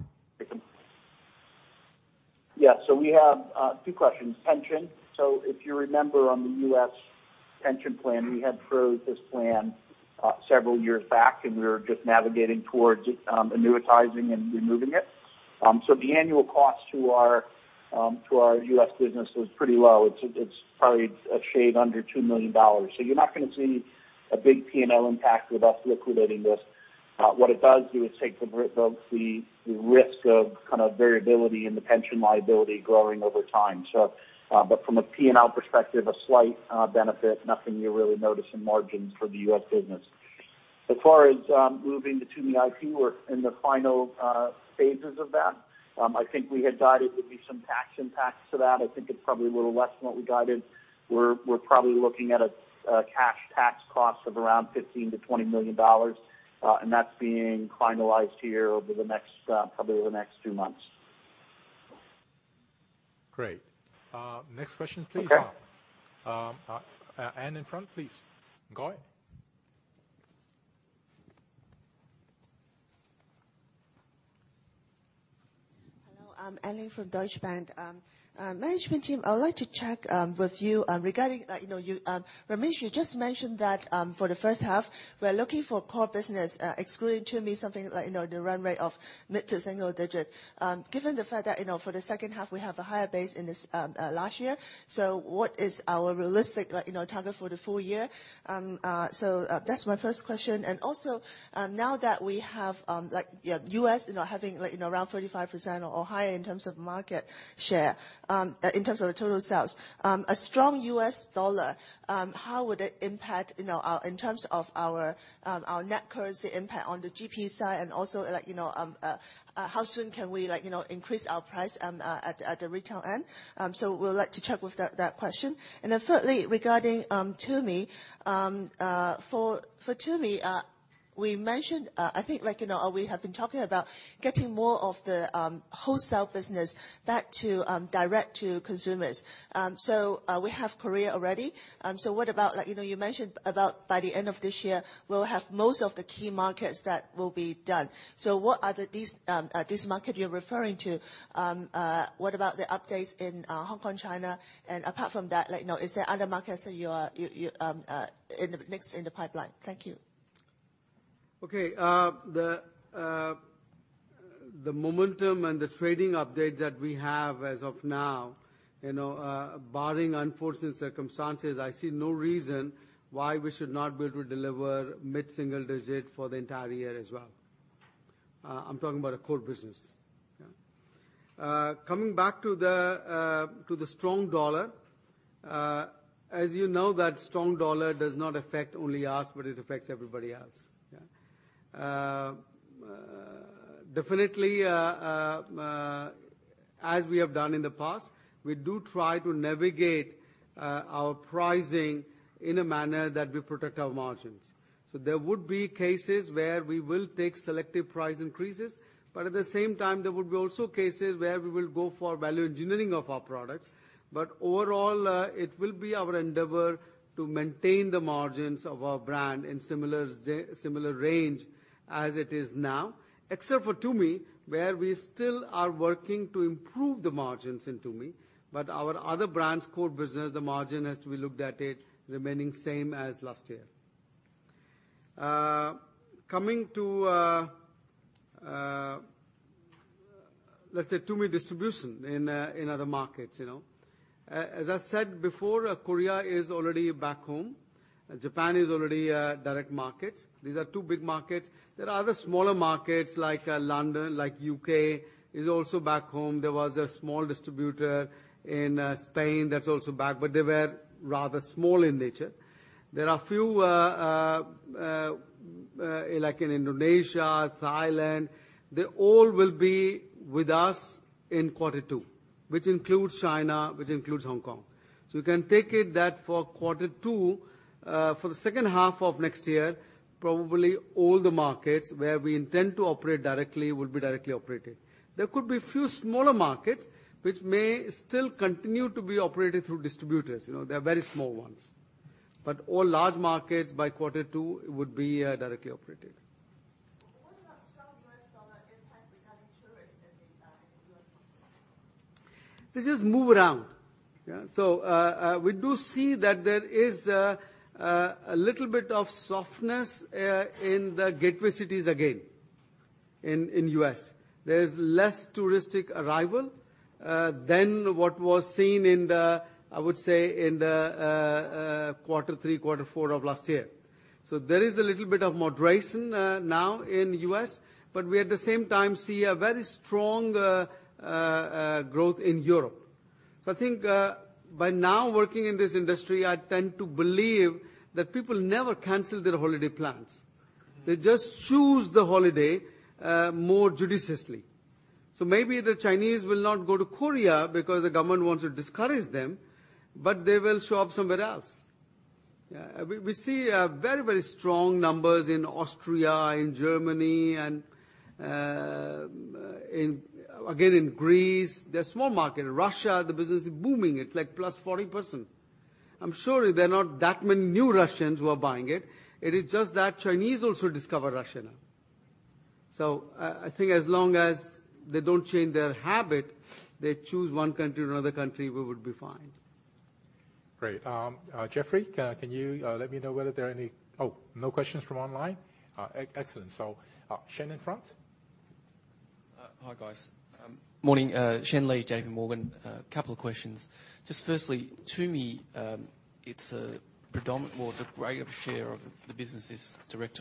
Yes. We have two questions. Pension. If you remember on the U.S. pension plan, we had froze this plan several years back, we were just navigating towards annuitizing and removing it. The annual cost to our U.S. business was pretty low. It's probably a shade under $2 million. You're not going to see a big P&L impact with us liquidating this. What it does do is take the risk of variability in the pension liability growing over time. From a P&L perspective, a slight benefit, nothing you really notice in margins for the U.S. business. As far as moving the Tumi IP, we're in the final stages of that. I think we had guided there'd be some tax impacts to that. I think it's probably a little less than what we guided. We're probably looking at a cash tax cost of around $15 million-$20 million. That's being finalized here over probably the next two months. Great. Next question, please. Okay. Anne in front, please. Go ahead. Hello, Anne from Deutsche Bank. Management team, I would like to check with you regarding, Ramesh, you just mentioned that for the first half, we are looking for core business, excluding Tumi, something like the run rate of mid to single digit. Given the fact that for the second half, we have a higher base than this last year. What is our realistic target for the full year? That's my first question, and also now that we have U.S. having around 35% or higher in terms of market share in terms of the total sales, a strong U.S. dollar, how would it impact in terms of our net currency impact on the GP side, and also how soon can we increase our price at the retail end? We would like to check with that question. Thirdly, regarding Tumi. For Tumi, we mentioned, I think we have been talking about getting more of the wholesale business back to direct to consumers. We have Korea already. What about, you mentioned about by the end of this year, we'll have most of the key markets that will be done. What are these markets you're referring to? What about the updates in Hong Kong, China, and apart from that, is there other markets next in the pipeline? Thank you. Okay. The momentum and the trading updates that we have as of now, barring unforeseen circumstances, I see no reason why we should not be able to deliver mid-single digit for the entire year as well. I'm talking about a core business. Coming back to the strong U.S. dollar. As you know that strong U.S. dollar does not affect only us, but it affects everybody else. Definitely, as we have done in the past, we do try to navigate our pricing in a manner that we protect our margins. There would be cases where we will take selective price increases, but at the same time, there would be also cases where we will go for value engineering of our products. Overall, it will be our endeavor to maintain the margins of our brand in similar range as it is now. Except for Tumi, where we still are working to improve the margins in Tumi, but our other brands core business, the margin has to be looked at it remaining same as last year. Coming to, let's say Tumi distribution in other markets. As I said before, Korea is already back home. Japan is already a direct market. These are two big markets. There are other smaller markets like London, like U.K. is also back home. There was a small distributor in Spain that's also back, but they were rather small in nature. There are few like in Indonesia, Thailand, they all will be with us in quarter two, which includes China, which includes Hong Kong. You can take it that for quarter two, for the second half of next year, probably all the markets where we intend to operate directly will be directly operated. There could be few smaller markets which may still continue to be operated through distributors. They're very small ones. All large markets by quarter two would be directly operated. What about strong U.S. dollar impact regarding tourists in the U.S.? This is move around. We do see that there is a little bit of softness in the gateway cities again. In U.S. There is less touristic arrival than what was seen in the, I would say, in the quarter three, quarter four of last year. There is a little bit of moderation now in the U.S., but we at the same time see a very strong growth in Europe. I think by now working in this industry, I tend to believe that people never cancel their holiday plans. They just choose the holiday more judiciously. Maybe the Chinese will not go to Korea because the government wants to discourage them, but they will show up somewhere else. We see very, very strong numbers in Austria, in Germany, and again, in Greece. They're small market. In Russia, the business is booming. It's like +40%. I'm sure there are not that many new Russians who are buying it. It is just that Chinese also discover Russia now. I think as long as they don't change their habit, they choose one country or another country, we would be fine. Great. Jeffrey, can you let me know whether there are any questions from online? Excellent. Shen in front. Hi, guys. Morning. Shen Li, J.P. Morgan. A couple of questions. Firstly, Tumi, it's a well, it's a greater share of the business is direct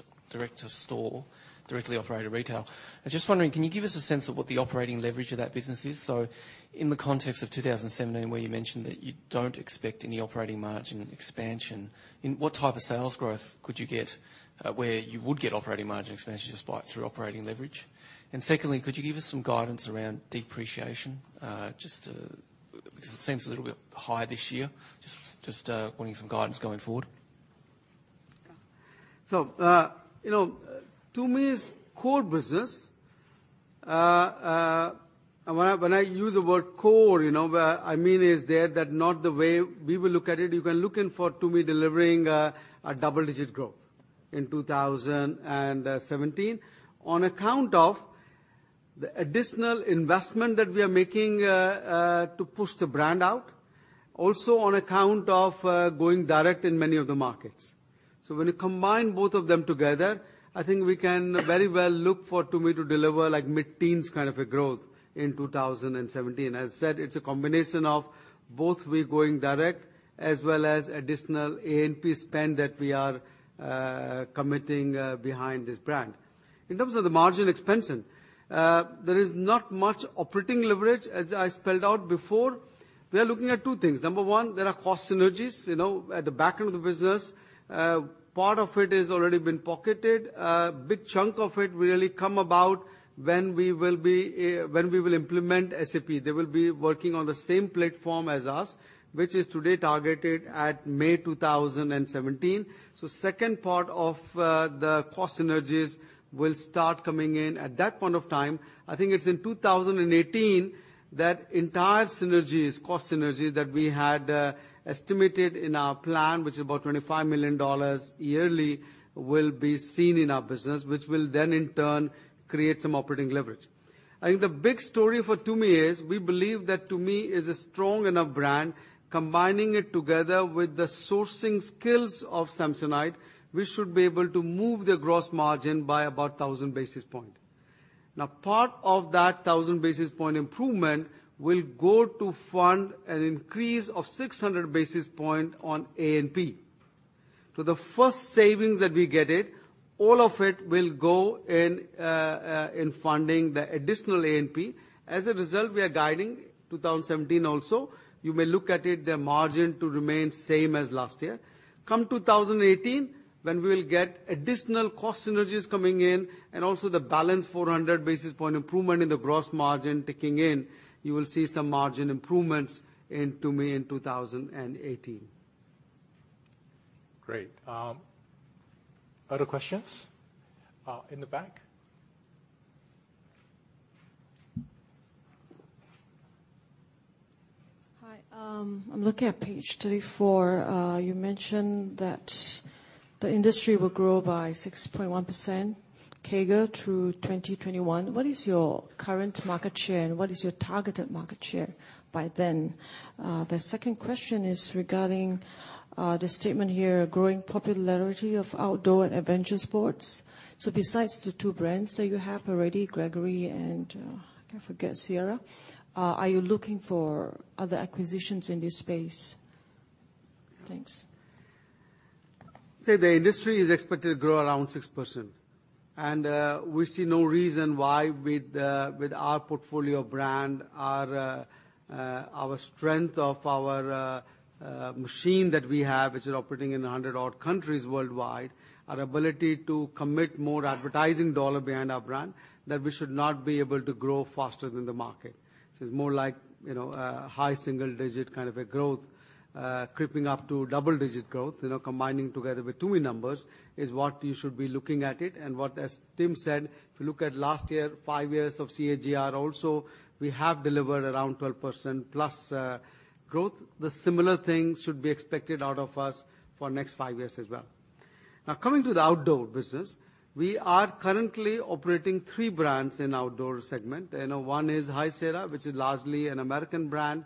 to store, directly operated retail. I was wondering, can you give us a sense of what the operating leverage of that business is? In the context of 2017, where you mentioned that you don't expect any operating margin expansion, in what type of sales growth could you get where you would get operating margin expansion through operating leverage? Secondly, could you give us some guidance around depreciation? Because it seems a little bit high this year. Wanting some guidance going forward. Tumi's core business, and when I use the word core, I mean is there that not the way we will look at it. You can looking for Tumi delivering a double-digit growth in 2017. On account of the additional investment that we are making to push the brand out, also on account of going direct in many of the markets. When you combine both of them together, I think we can very well look for Tumi to deliver like mid-teens kind of a growth in 2017. As I said, it's a combination of both we going direct as well as additional A&P spend that we are committing behind this brand. In terms of the margin expansion, there is not much operating leverage as I spelled out before. We are looking at two things. Number one, there are cost synergies at the back end of the business. Part of it is already been pocketed. A big chunk of it will really come about when we will implement SAP. They will be working on the same platform as us, which is today targeted at May 2017. Second part of the cost synergies will start coming in at that point of time. I think it's in 2018 that entire synergies, cost synergies that we had estimated in our plan, which is about $25 million yearly, will be seen in our business, which will then in turn create some operating leverage. I think the big story for Tumi is we believe that Tumi is a strong enough brand. Combining it together with the sourcing skills of Samsonite, we should be able to move the gross margin by about 1,000 basis point. Part of that 1,000 basis point improvement will go to fund an increase of 600 basis point on A&P. The first savings that we get, all of it will go in funding the additional A&P. As a result, we are guiding 2017. You may look at it, the margin to remain the same as last year. Come 2018, when we will get additional cost synergies coming in and also the balance 400 basis point improvement in the gross margin kicking in, you will see some margin improvements in Tumi in 2018. Great. Other questions? In the back. Hi. I am looking at page 34. You mentioned that the industry will grow by 6.1% CAGR through 2021. What is your current market share, and what is your targeted market share by then? The second question is regarding the statement here, growing popularity of outdoor and adventure sports. Besides the two brands that you have already, Gregory and I forget, High Sierra, are you looking for other acquisitions in this space? Thanks. The industry is expected to grow around 6%. We see no reason why with our portfolio brand, our strength of our machine that we have, which is operating in 100 odd countries worldwide, our ability to commit more advertising dollar behind our brand, that we should not be able to grow faster than the market. It is more like a high single-digit kind of a growth, creeping up to double-digit growth, combining together with Tumi numbers is what you should be looking at it. What, as Tim said, if you look at last year, five years of CAGR, we have delivered around 12%+ growth. The similar thing should be expected out of us for next five years as well. Coming to the outdoor business, we are currently operating three brands in outdoor segment. One is High Sierra, which is largely an American brand.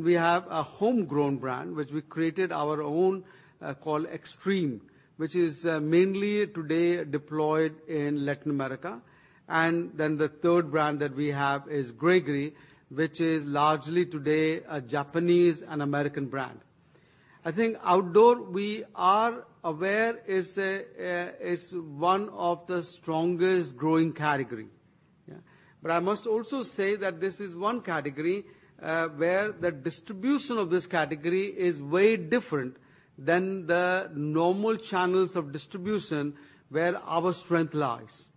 We have a homegrown brand, which we created our own, called Xtrem, which is mainly today deployed in Latin America. The third brand that we have is Gregory, which is largely today a Japanese and American brand. I think outdoor, we are aware, is one of the strongest growing category. I must also say that this is one category where the distribution of this category is way different than the normal channels of distribution where our strength lies.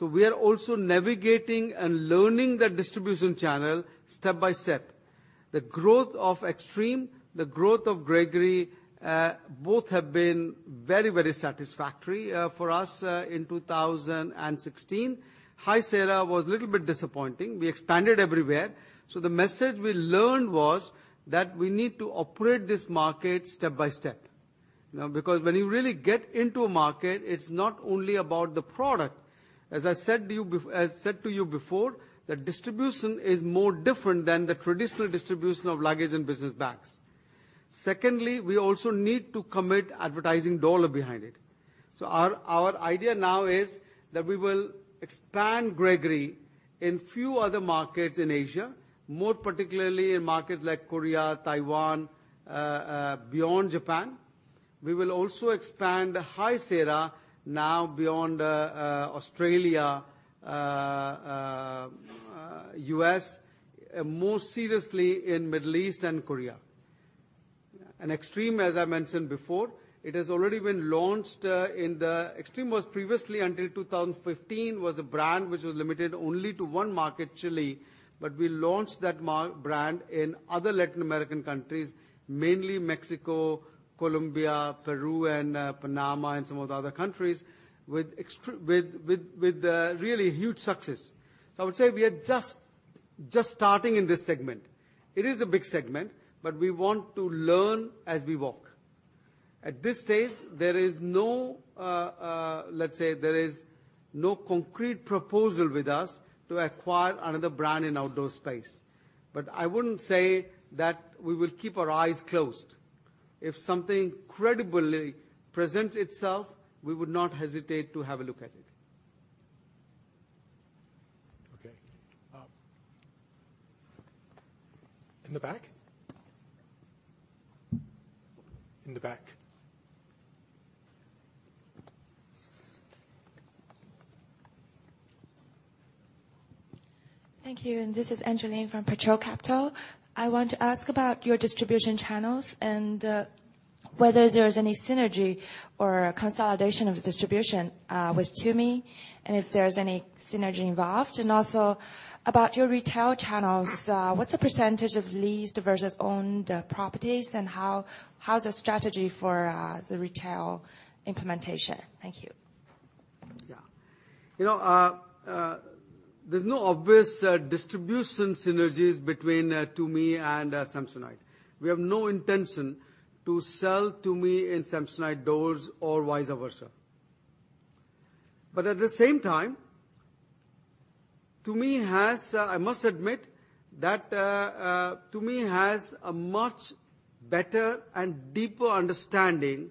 We are also navigating and learning the distribution channel step by step. The growth of Xtrem, the growth of Gregory, both have been very, very satisfactory for us in 2016. High Sierra was a little bit disappointing. We expanded everywhere. The message we learned was that we need to operate this market step by step. Because when you really get into a market, it's not only about the product. As I said to you before, the distribution is more different than the traditional distribution of luggage and business bags. Secondly, we also need to commit advertising dollar behind it. Our idea now is that we will expand Gregory in few other markets in Asia, more particularly in markets like Korea, Taiwan, beyond Japan. We will also expand High Sierra now beyond Australia, U.S., more seriously in Middle East and Korea. Xtrem, as I mentioned before, it has already been launched in the-- Xtrem was previously until 2015 was a brand which was limited only to one market, Chile. We launched that brand in other Latin American countries, mainly Mexico, Colombia, Peru, and Panama and some of the other countries with really huge success. I would say we are just starting in this segment. It is a big segment, but we want to learn as we walk. At this stage, there is no concrete proposal with us to acquire another brand in outdoor space. I wouldn't say that we will keep our eyes closed. If something credibly presents itself, we would not hesitate to have a look at it. Okay. In the back? In the back. Thank you. This is Angeline from Petra Capital. I want to ask about your distribution channels and whether there's any synergy or consolidation of distribution with Tumi and if there's any synergy involved. Also about your retail channels, what's the percentage of leased versus owned properties and how's the strategy for the retail implementation? Thank you. There's no obvious distribution synergies between Tumi and Samsonite. We have no intention to sell Tumi in Samsonite doors or vice versa. At the same time, I must admit that Tumi has a much better and deeper understanding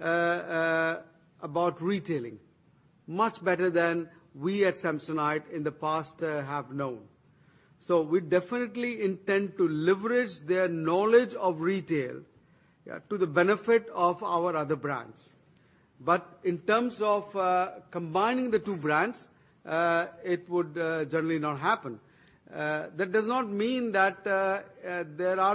about retailing, much better than we at Samsonite in the past have known. We definitely intend to leverage their knowledge of retail to the benefit of our other brands. In terms of combining the two brands, it would generally not happen. That does not mean that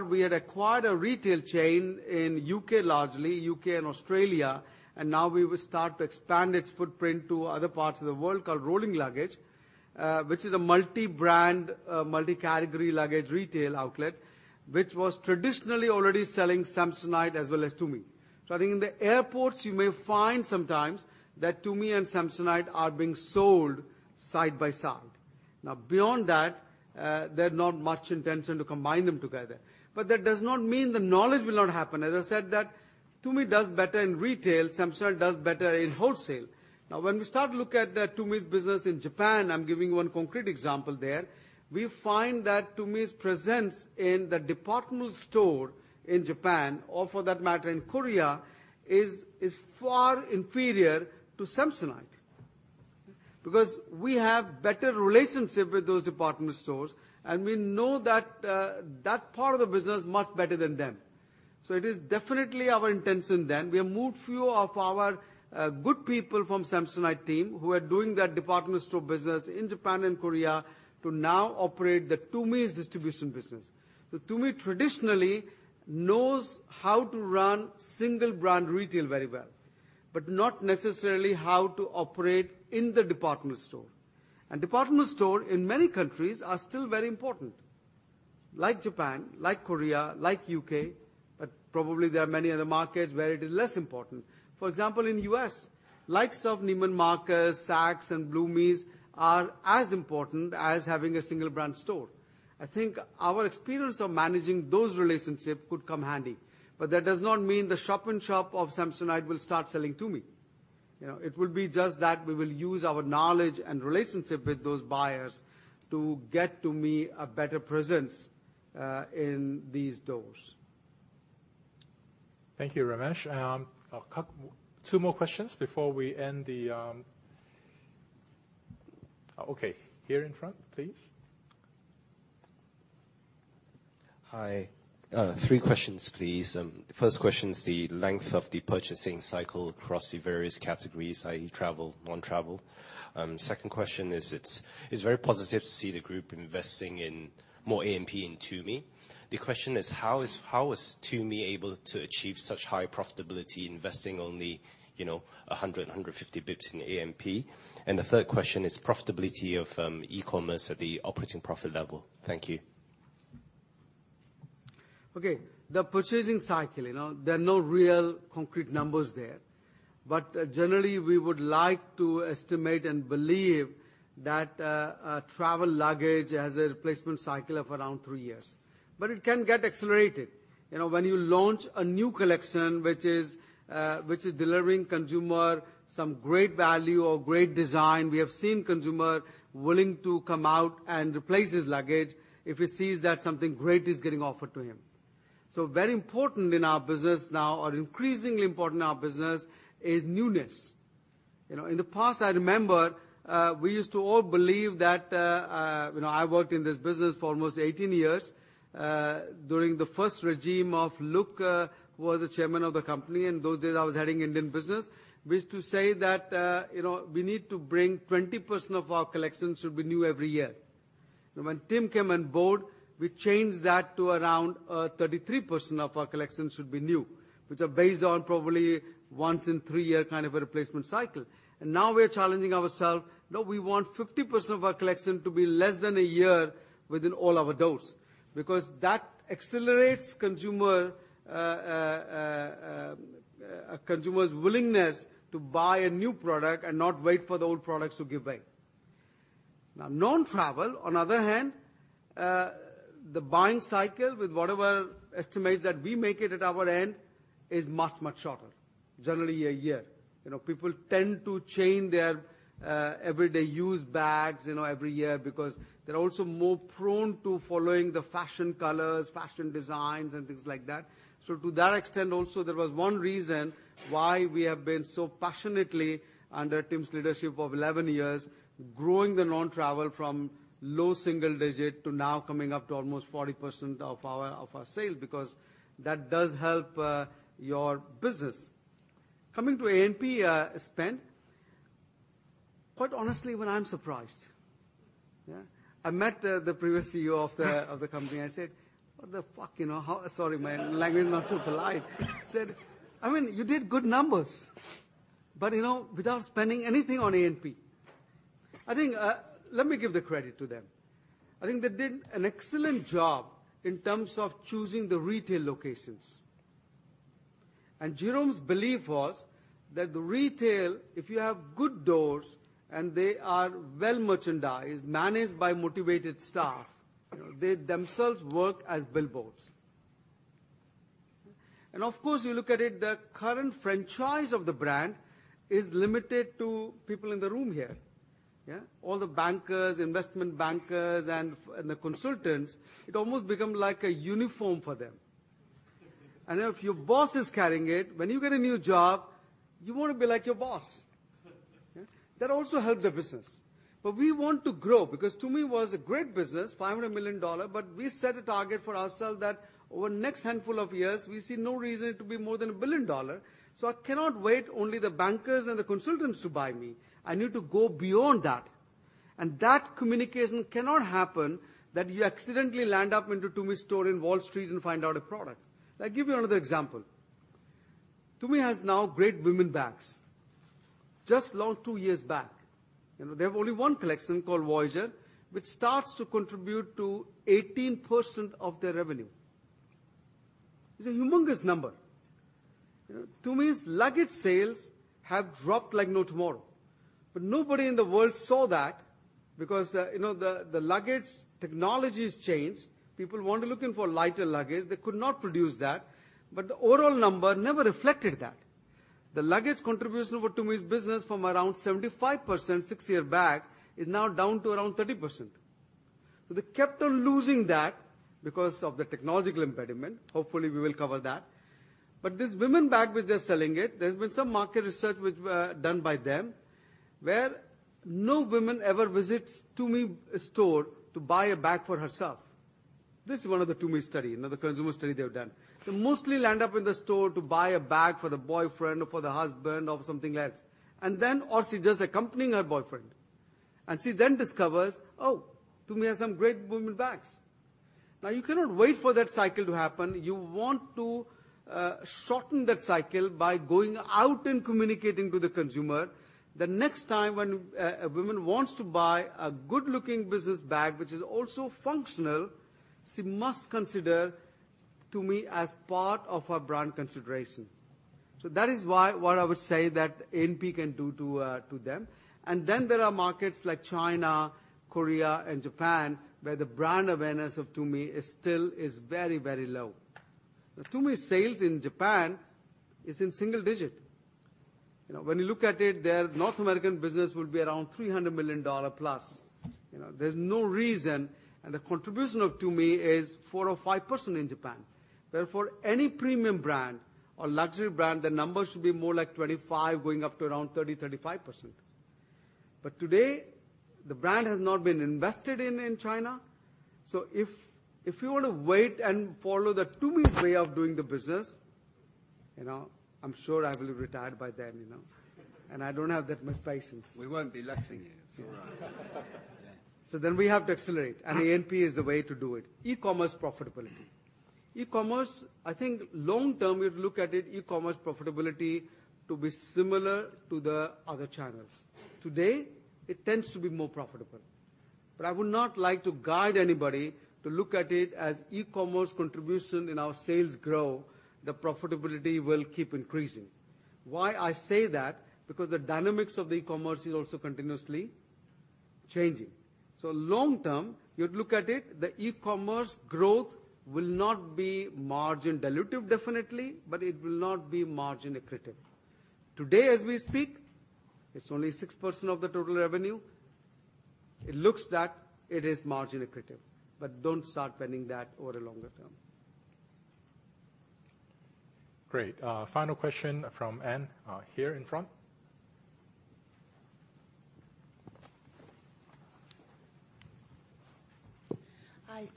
we had acquired a retail chain in U.K. largely, U.K. and Australia, and now we will start to expand its footprint to other parts of the world called Rolling Luggage, which is a multi-brand, multi-category luggage retail outlet, which was traditionally already selling Samsonite as well as Tumi. I think in the airports you may find sometimes that Tumi and Samsonite are being sold side by side. Beyond that, there's not much intention to combine them together. That does not mean the knowledge will not happen. As I said that Tumi does better in retail, Samsonite does better in wholesale. When we start to look at Tumi's business in Japan, I'm giving one concrete example there, we find that Tumi's presence in the departmental store in Japan, or for that matter in Korea, is far inferior to Samsonite. We have better relationship with those departmental stores and we know that part of the business much better than them. It is definitely our intention then. We have moved few of our good people from Samsonite team who are doing that departmental store business in Japan and Korea to now operate the Tumi's distribution business. Tumi traditionally knows how to run single brand retail very well, but not necessarily how to operate in the departmental store. Departmental store in many countries are still very important like Japan, like Korea, like U.K., but probably there are many other markets where it is less important. For example, in U.S., likes of Neiman Marcus, Saks, and Bloomie's are as important as having a single brand store. I think our experience of managing those relationships could come handy, but that does not mean the shop-in-shop of Samsonite will start selling Tumi. It will be just that we will use our knowledge and relationship with those buyers to get Tumi a better presence in these doors. Thank you, Ramesh. Two more questions before we end the. Okay. Here in front, please. Hi. Three questions, please. First question is the length of the purchasing cycle across the various categories, i.e., travel, non-travel. Second question is, it is very positive to see the group investing in more A&P in Tumi. The question is how is Tumi able to achieve such high profitability investing only 100, 150 BPS in A&P? The third question is profitability of e-commerce at the operating profit level. Thank you. Okay. The purchasing cycle, there are no real concrete numbers there. Generally, we would like to estimate and believe that travel luggage has a replacement cycle of around three years. It can get accelerated. When you launch a new collection, which is delivering consumer some great value or great design, we have seen consumer willing to come out and replace his luggage if he sees that something great is getting offered to him. Very important in our business now, or increasingly important in our business, is newness. In the past, I remember we used to all believe that I worked in this business for almost 18 years. During the first regime of Luke, who was the chairman of the company, in those days, I was heading Indian business. We used to say that we need to bring 20% of our collection should be new every year. When Tim came on board, we changed that to around 33% of our collection should be new, which are based on probably once in three year kind of a replacement cycle. Now we are challenging ourselves. Now we want 50% of our collection to be less than a year within all our doors, because that accelerates consumer's willingness to buy a new product and not wait for the old product to give way. Non-travel, on other hand, the buying cycle with whatever estimates that we make it at our end is much, much shorter. Generally, a year. People tend to change their everyday use bags every year because they are also more prone to following the fashion colors, fashion designs, and things like that. To that extent also, there was one reason why we have been so passionately under Tim's leadership of 11 years, growing the non-travel from low single digit to now coming up to almost 40% of our sales because that does help your business. A&P spend, quite honestly even I'm surprised. I met the previous CEO of the company. I said, "What the fuck?" Sorry, my language not so polite. I said, "You did good numbers without spending anything on A&P." Let me give the credit to them. I think they did an excellent job in terms of choosing the retail locations. Jerome's belief was that the retail, if you have good doors and they are well merchandised, managed by motivated staff, they themselves work as billboards. Of course, you look at it, the current franchise of the brand is limited to people in the room here. All the bankers, investment bankers, and the consultants, it almost become like a uniform for them. If your boss is carrying it, when you get a new job, you want to be like your boss. That also help the business. We want to grow because Tumi was a great business, $500 million, but we set a target for ourselves that over the next handful of years, we see no reason it to be more than $1 billion. I cannot wait only the bankers and the consultants to buy me. I need to go beyond that. That communication cannot happen that you accidentally land up into Tumi store in Wall Street and find out a product. I give you another example. Tumi has now great women bags. Just launched two years back. They have only one collection called Voyager, which starts to contribute to 18% of their revenue. It's a humongous number. Tumi's luggage sales have dropped like no tomorrow, but nobody in the world saw that because the luggage technology's changed. People want to looking for lighter luggage. They could not produce that, but the overall number never reflected that. The luggage contribution over Tumi's business from around 75% six year back is now down to around 30%. They kept on losing that because of the technological impediment. Hopefully, we will cover that. This women bag which they're selling it, there's been some market research which were done by them, where no women ever visits Tumi store to buy a bag for herself. This is one of the Tumi study, another consumer study they have done. They mostly land up in the store to buy a bag for the boyfriend or for the husband or something else. Or she just accompanying her boyfriend, she then discovers, oh, Tumi has some great women bags. You cannot wait for that cycle to happen. You want to shorten that cycle by going out and communicating to the consumer. The next time when a woman wants to buy a good-looking business bag, which is also functional, she must consider Tumi as part of our brand consideration. That is what I would say that A&P can do to them. There are markets like China, Korea, and Japan, where the brand awareness of Tumi is still is very, very low. The Tumi sales in Japan is in single digit. When you look at it, their North American business will be around $300 million plus. There's no reason. The contribution of Tumi is 4% or 5% in Japan. Therefore, any premium brand or luxury brand, the number should be more like 25%, going up to around 30%-35%. Today, the brand has not been invested in in China, so if you were to wait and follow the Tumi's way of doing the business, I'm sure I will be retired by then. I don't have that much patience. We won't be letting you. It's all right. We have to accelerate, the NP is the way to do it. E-commerce profitability. E-commerce, I think long term, we'd look at it, e-commerce profitability to be similar to the other channels. Today, it tends to be more profitable. I would not like to guide anybody to look at it as e-commerce contribution in our sales grow, the profitability will keep increasing. Why I say that, because the dynamics of the e-commerce is also continuously changing. Long term, you'd look at it, the e-commerce growth will not be margin dilutive, definitely, but it will not be margin accretive. Today as we speak, it's only 6% of the total revenue. It looks that it is margin accretive. Don't start spending that over longer term. Great. Final question from Anne, here in front. Hi,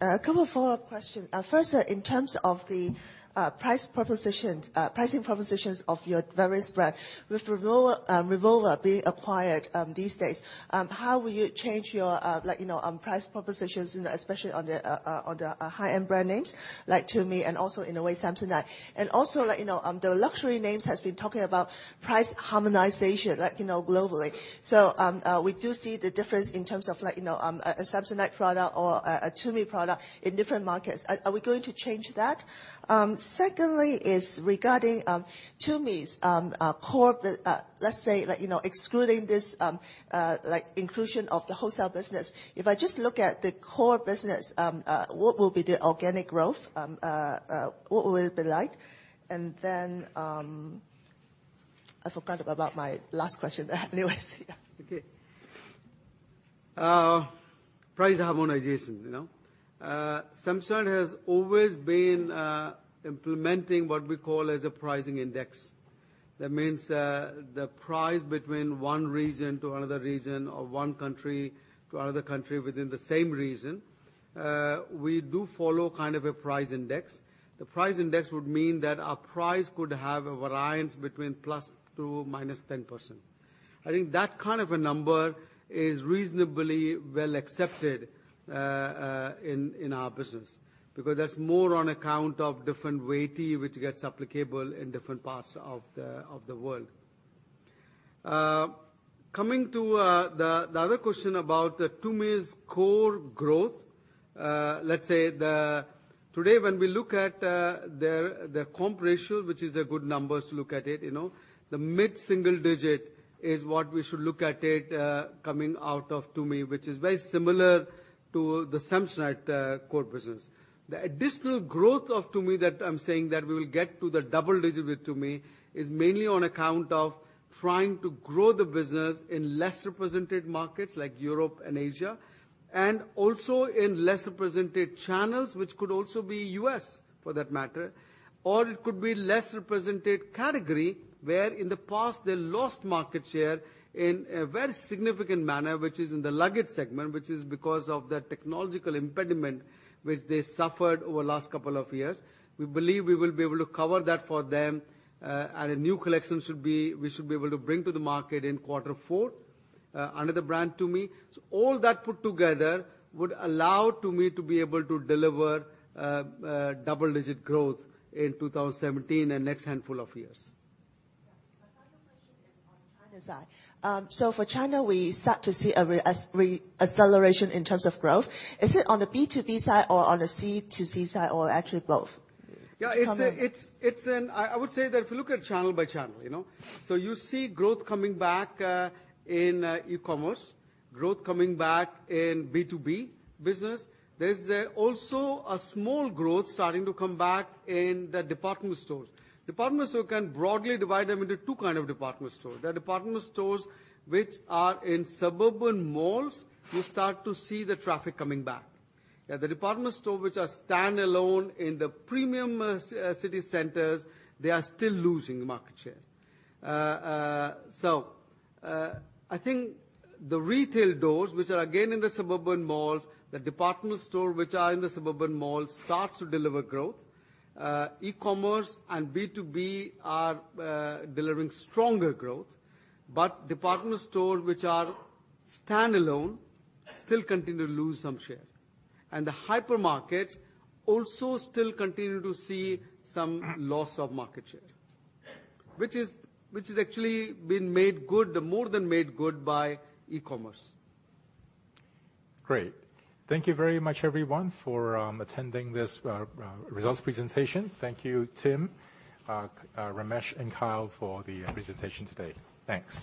a couple follow-up question. First, in terms of the pricing propositions of your various brand, with Rimowa being acquired these days, how will you change your price propositions, especially on the high-end brand names like Tumi and also in a way Samsonite? The luxury names has been talking about price harmonization globally. We do see the difference in terms of a Samsonite product or a Tumi product in different markets. Are we going to change that? Secondly is regarding Tumi's core, let's say, excluding this inclusion of the wholesale business. If I just look at the core business, what will be the organic growth? What will it be like? I forgot about my last question. Okay. Price harmonization. Samsonite has always been implementing what we call as a pricing index. That means, the price between one region to another region or one country to another country within the same region, we do follow kind of a price index. The price index would mean that our price could have a variance between plus to minus 10%. I think that kind of a number is reasonably well accepted in our business because that's more on account of different weighty which gets applicable in different parts of the world. Coming to the other question about Tumi's core growth. Let's say today when we look at their comp ratio, which is a good number to look at it. The mid-single digit is what we should look at it coming out of Tumi, which is very similar to the Samsonite core business. The additional growth of Tumi that I'm saying that we will get to the double-digit with Tumi is mainly on account of trying to grow the business in less represented markets like Europe and Asia. In less represented channels, which could also be U.S., for that matter. It could be less represented category where in the past they lost market share in a very significant manner, which is in the luggage segment, which is because of the technological impediment which they suffered over last couple of years. We believe we will be able to cover that for them, and a new collection we should be able to bring to the market in quarter four, under the brand Tumi. All that put together would allow Tumi to be able to deliver double-digit growth in 2017 and next handful of years. Yeah. My final question is on China's side. For China, we start to see a acceleration in terms of growth. Is it on the B2B side or on the B2C side or actually both? Yeah, I would say that if you look at channel by channel. You see growth coming back in e-commerce, growth coming back in B2B business. There's also a small growth starting to come back in the department stores. Department store can broadly divide them into two kinds of department store. The department stores which are in suburban malls, you start to see the traffic coming back. The department store which are standalone in the premium city centers, they are still losing market share. I think the retail doors, which are again in the suburban malls, the department store which are in the suburban malls, starts to deliver growth. E-commerce and B2B are delivering stronger growth. Department store which are standalone still continue to lose some share. The hypermarkets also still continue to see some loss of market share, which is actually more than made good by e-commerce. Great. Thank you very much everyone for attending this results presentation. Thank you, Tim, Ramesh, and Kyle for the presentation today. Thanks.